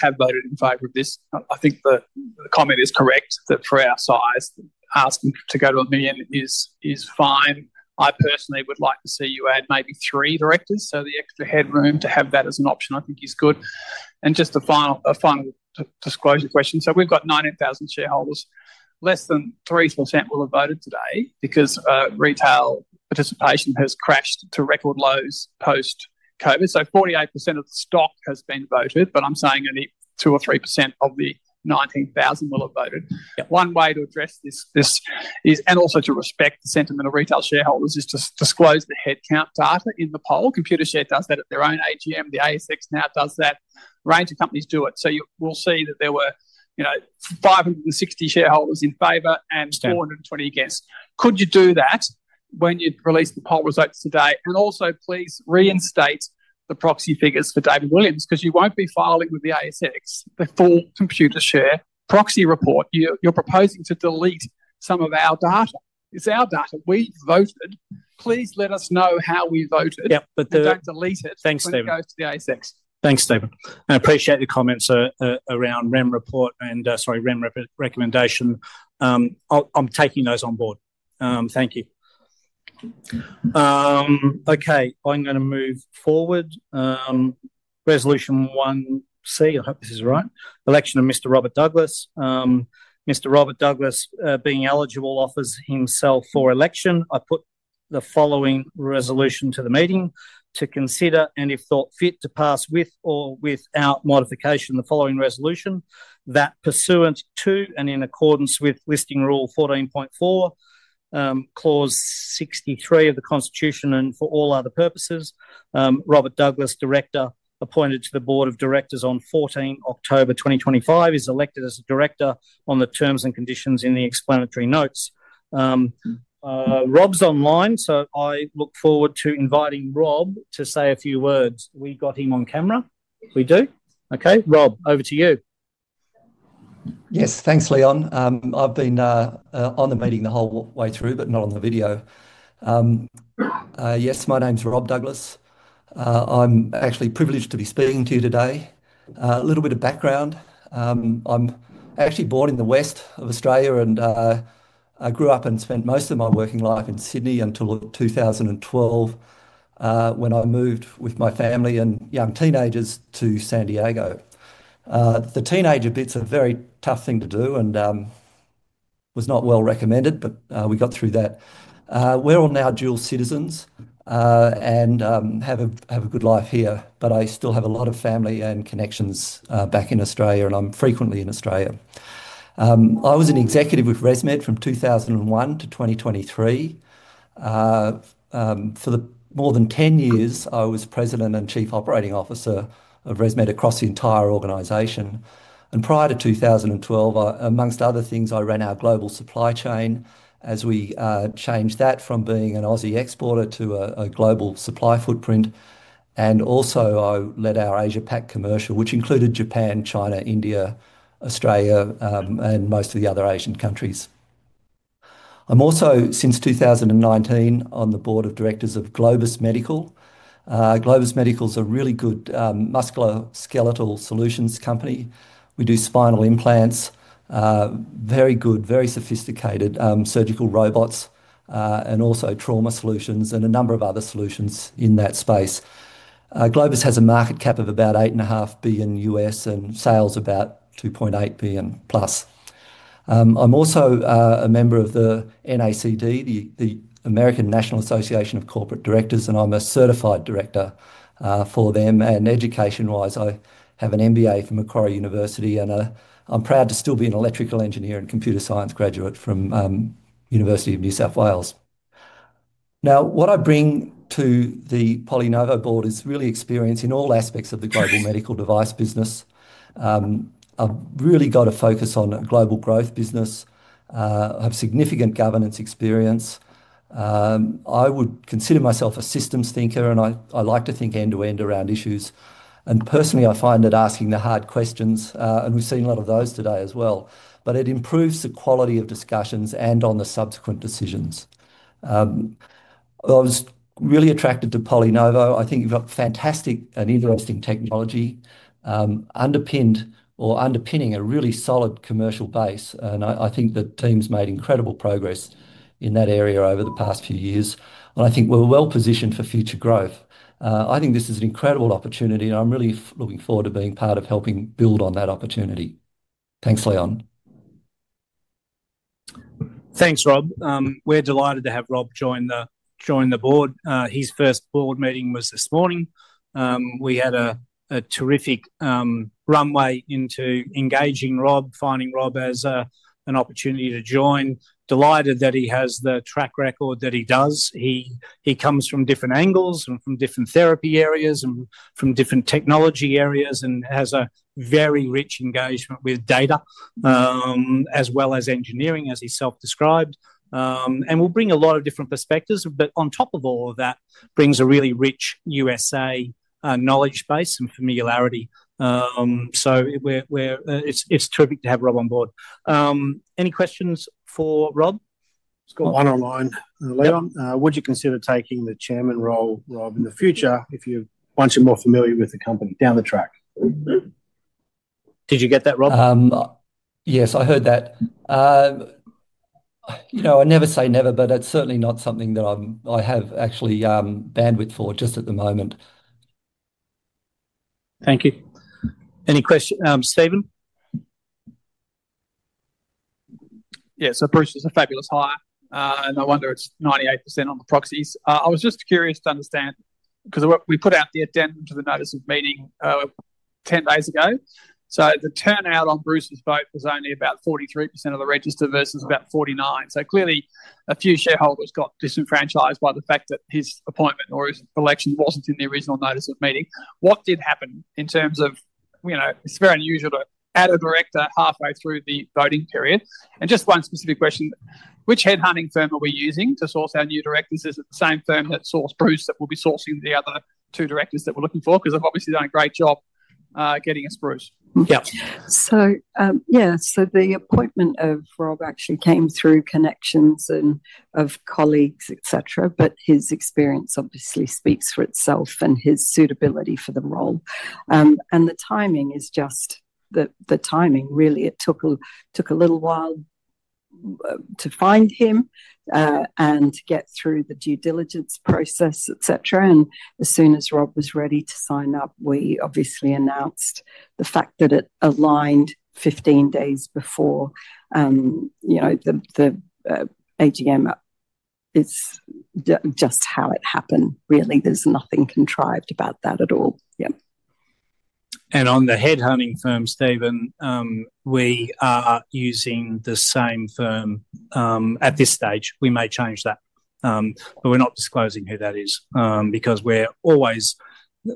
have voted in favor of this. I think the comment is correct that for our size, asking to go to $1 million is fine. I personally would like to see you add maybe three directors. The extra headroom to have that as an option, I think, is good. Just a final disclosure question. We've got 19,000 shareholders. Less than 3% will have voted today because retail participation has crashed to record lows post-COVID. 48% of the stock has been voted, but I'm saying only 2% or 3% of the 19,000 will have voted. One way to address this, and also to respect the sentiment of retail shareholders, is to disclose the headcount data in the poll. Computershare does that at their own AGM. The ASX now does that. A range of companies do it. We'll see that there were 560 shareholders in favor and 420 against. Yeah. Could you do that when you release the poll results today? Please reinstate the proxy figures for David Williams because you won't be filing with the ASX the full Computershare proxy report. You're proposing to delete some of our data. It's our data. We voted. Please let us know how we voted. Yeah, the. Don't delete it. Thanks, Stephen. It goes to the ASX. Thanks, Stephen. I appreciate the comments around REM report and, sorry, REM recommendation. I'm taking those on board. Thank you. OK. I'm going to move forward. Resolution 1C, I hope this is right, election of Mr. Robert Douglas. Mr. Robert Douglas, being eligible, offers himself for election. I put the following resolution to the meeting to consider and, if thought fit, to pass with or without modification the following resolution that, pursuant to and in accordance with Listing Rule 14.4, Clause 63 of the Constitution and for all other purposes, Robert Douglas, director appointed to the board of directors on 14 October 2025, is elected as a director on the terms and conditions in the explanatory notes. Rob's online, so I look forward to inviting Rob to say a few words. We got him on camera? We do? OK. Rob, over to you. Yes, thanks, Leon. I've been on the meeting the whole way through, but not on the video. Yes, my name's Rob Douglas. I'm actually privileged to be speaking to you today. A little bit of background. I'm actually born in the west of Australia and grew up and spent most of my working life in Sydney until 2012 when I moved with my family and young teenagers to San Diego. The teenager bits are a very tough thing to do and was not well recommended, but we got through that. We're all now dual citizens and have a good life here, but I still have a lot of family and connections back in Australia, and I'm frequently in Australia. I was an executive with ResMed from 2001 to 2023. For more than 10 years, I was President and Chief Operating Officer of ResMed across the entire organization. Prior to 2012, amongst other things, I ran our global supply chain as we changed that from being an Aussie exporter to a global supply footprint. I also led our Asia-Pac commercial, which included Japan, China, India, Australia, and most of the other Asian countries. Since 2019, I'm also on the board of directors of Globus Medical. Globus Medical is a really good musculoskeletal solutions company. We do spinal implants, very good, very sophisticated surgical robots, and also trauma solutions and a number of other solutions in that space. Globus has a market cap of about $8.5 billion US and sales about $2.8 billion plus. I'm also a member of the NACD, the American National Association of Corporate Directors, and I'm a certified director for them. Education-wise, I have an MBA from Macquarie University, and I'm proud to still be an electrical engineer and computer science graduate from the University of New South Wales. Now, what I bring to the PolyNovo board is really experience in all aspects of the global medical device business. I've really got a focus on a global growth business. I have significant governance experience. I would consider myself a systems thinker, and I like to think end to end around issues. Personally, I find that asking the hard questions, and we've seen a lot of those today as well, improves the quality of discussions and on the subsequent decisions. I was really attracted to PolyNovo. I think you've got fantastic and interesting technology underpinned or underpinning a really solid commercial base. I think the team's made incredible progress in that area over the past few years. I think we're well positioned for future growth. I think this is an incredible opportunity, and I'm really looking forward to being part of helping build on that opportunity. Thanks, Leon. Thanks, Rob. We're delighted to have Rob join the board. His first board meeting was this morning. We had a terrific runway into engaging Rob, finding Rob as an opportunity to join. Delighted that he has the track record that he does. He comes from different angles and from different therapy areas and from different technology areas and has a very rich engagement with data, as well as engineering, as he self-described. He will bring a lot of different perspectives. On top of all of that, he brings a really rich US knowledge base and familiarity. It's terrific to have Rob on board. Any questions for Rob? I've just got one online. Leon, would you consider taking the Chairman role, Rob, in the future if you're once you're more familiar with the company down the track? Did you get that, Rob? Yes, I heard that. I never say never, but it's certainly not something that I have bandwidth for just at the moment. Thank you. Any questions? Stephen? Yes, so Bruce is a fabulous hire, and I wonder it's 98% on the proxies. I was just curious to understand because we put out the addendum to the notice of meeting 10 days ago. The turnout on Bruce's vote was only about 43% of the register versus about 49%. Clearly, a few shareholders got disenfranchised by the fact that his appointment or his election wasn't in the original notice of meeting. What did happen in terms of, you know, it's very unusual to add a director halfway through the voting period. Just one specific question, which headhunting firm are we using to source our new directors? Is it the same firm that sourced Bruce that will be sourcing the other two directors that we're looking for? They've obviously done a great job getting us Bruce. Yeah. The appointment of Rob actually came through connections and colleagues, et cetera. His experience obviously speaks for itself and his suitability for the role. The timing is just the timing, really. It took a little while to find him and to get through the due diligence process, et cetera. As soon as Rob was ready to sign up, we obviously announced the fact that it aligned 15 days before the AGM. It's just how it happened, really. There's nothing contrived about that at all. On the headhunting firm, Stephen, we are using the same firm at this stage. We may change that. We're not disclosing who that is because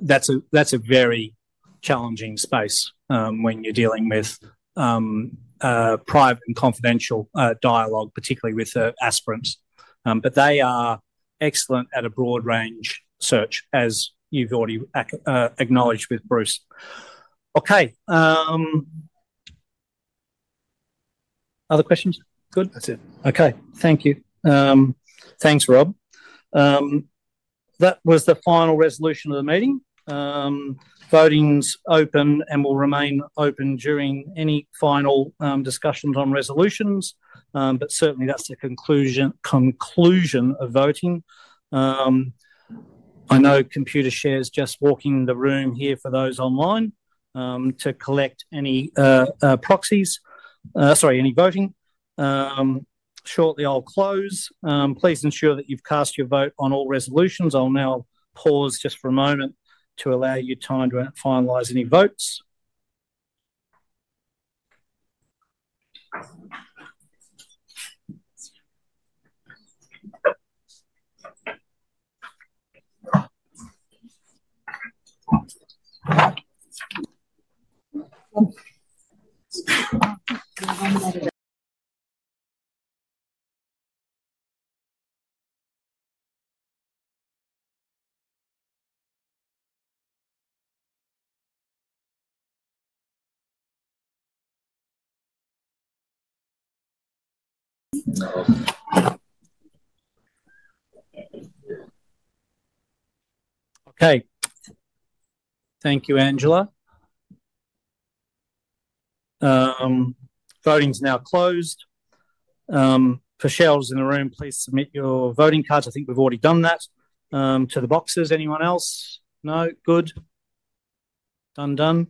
that's a very challenging space when you're dealing with private and confidential dialogue, particularly with the aspirants. They are excellent at a broad range search, as you've already acknowledged with Bruce. Other questions? Good? That's it. OK. Thank you. Thanks, Rob. That was the final resolution of the meeting. Voting's open and will remain open during any final discussions on resolutions. That's the conclusion of voting. I know Computershare is just walking the room here for those online to collect any proxies, sorry, any voting. Shortly, I'll close. Please ensure that you've cast your vote on all resolutions. I'll now pause just for a moment to allow you time to finalize any votes. OK. Thank you, Angela. Voting's now closed. For shareholders in the room, please submit your voting cards. I think we've already done that to the boxes. Anyone else? No? Good. Done, done.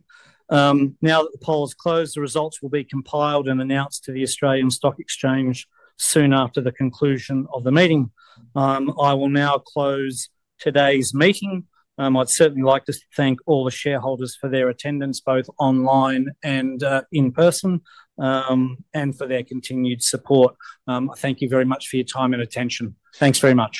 Now that the poll is closed, the results will be compiled and announced to the Australian Stock Exchange soon after the conclusion of the meeting. I will now close today's meeting. I'd certainly like to thank all the shareholders for their attendance, both online and in person, and for their continued support. I thank you very much for your time and attention. Thanks very much.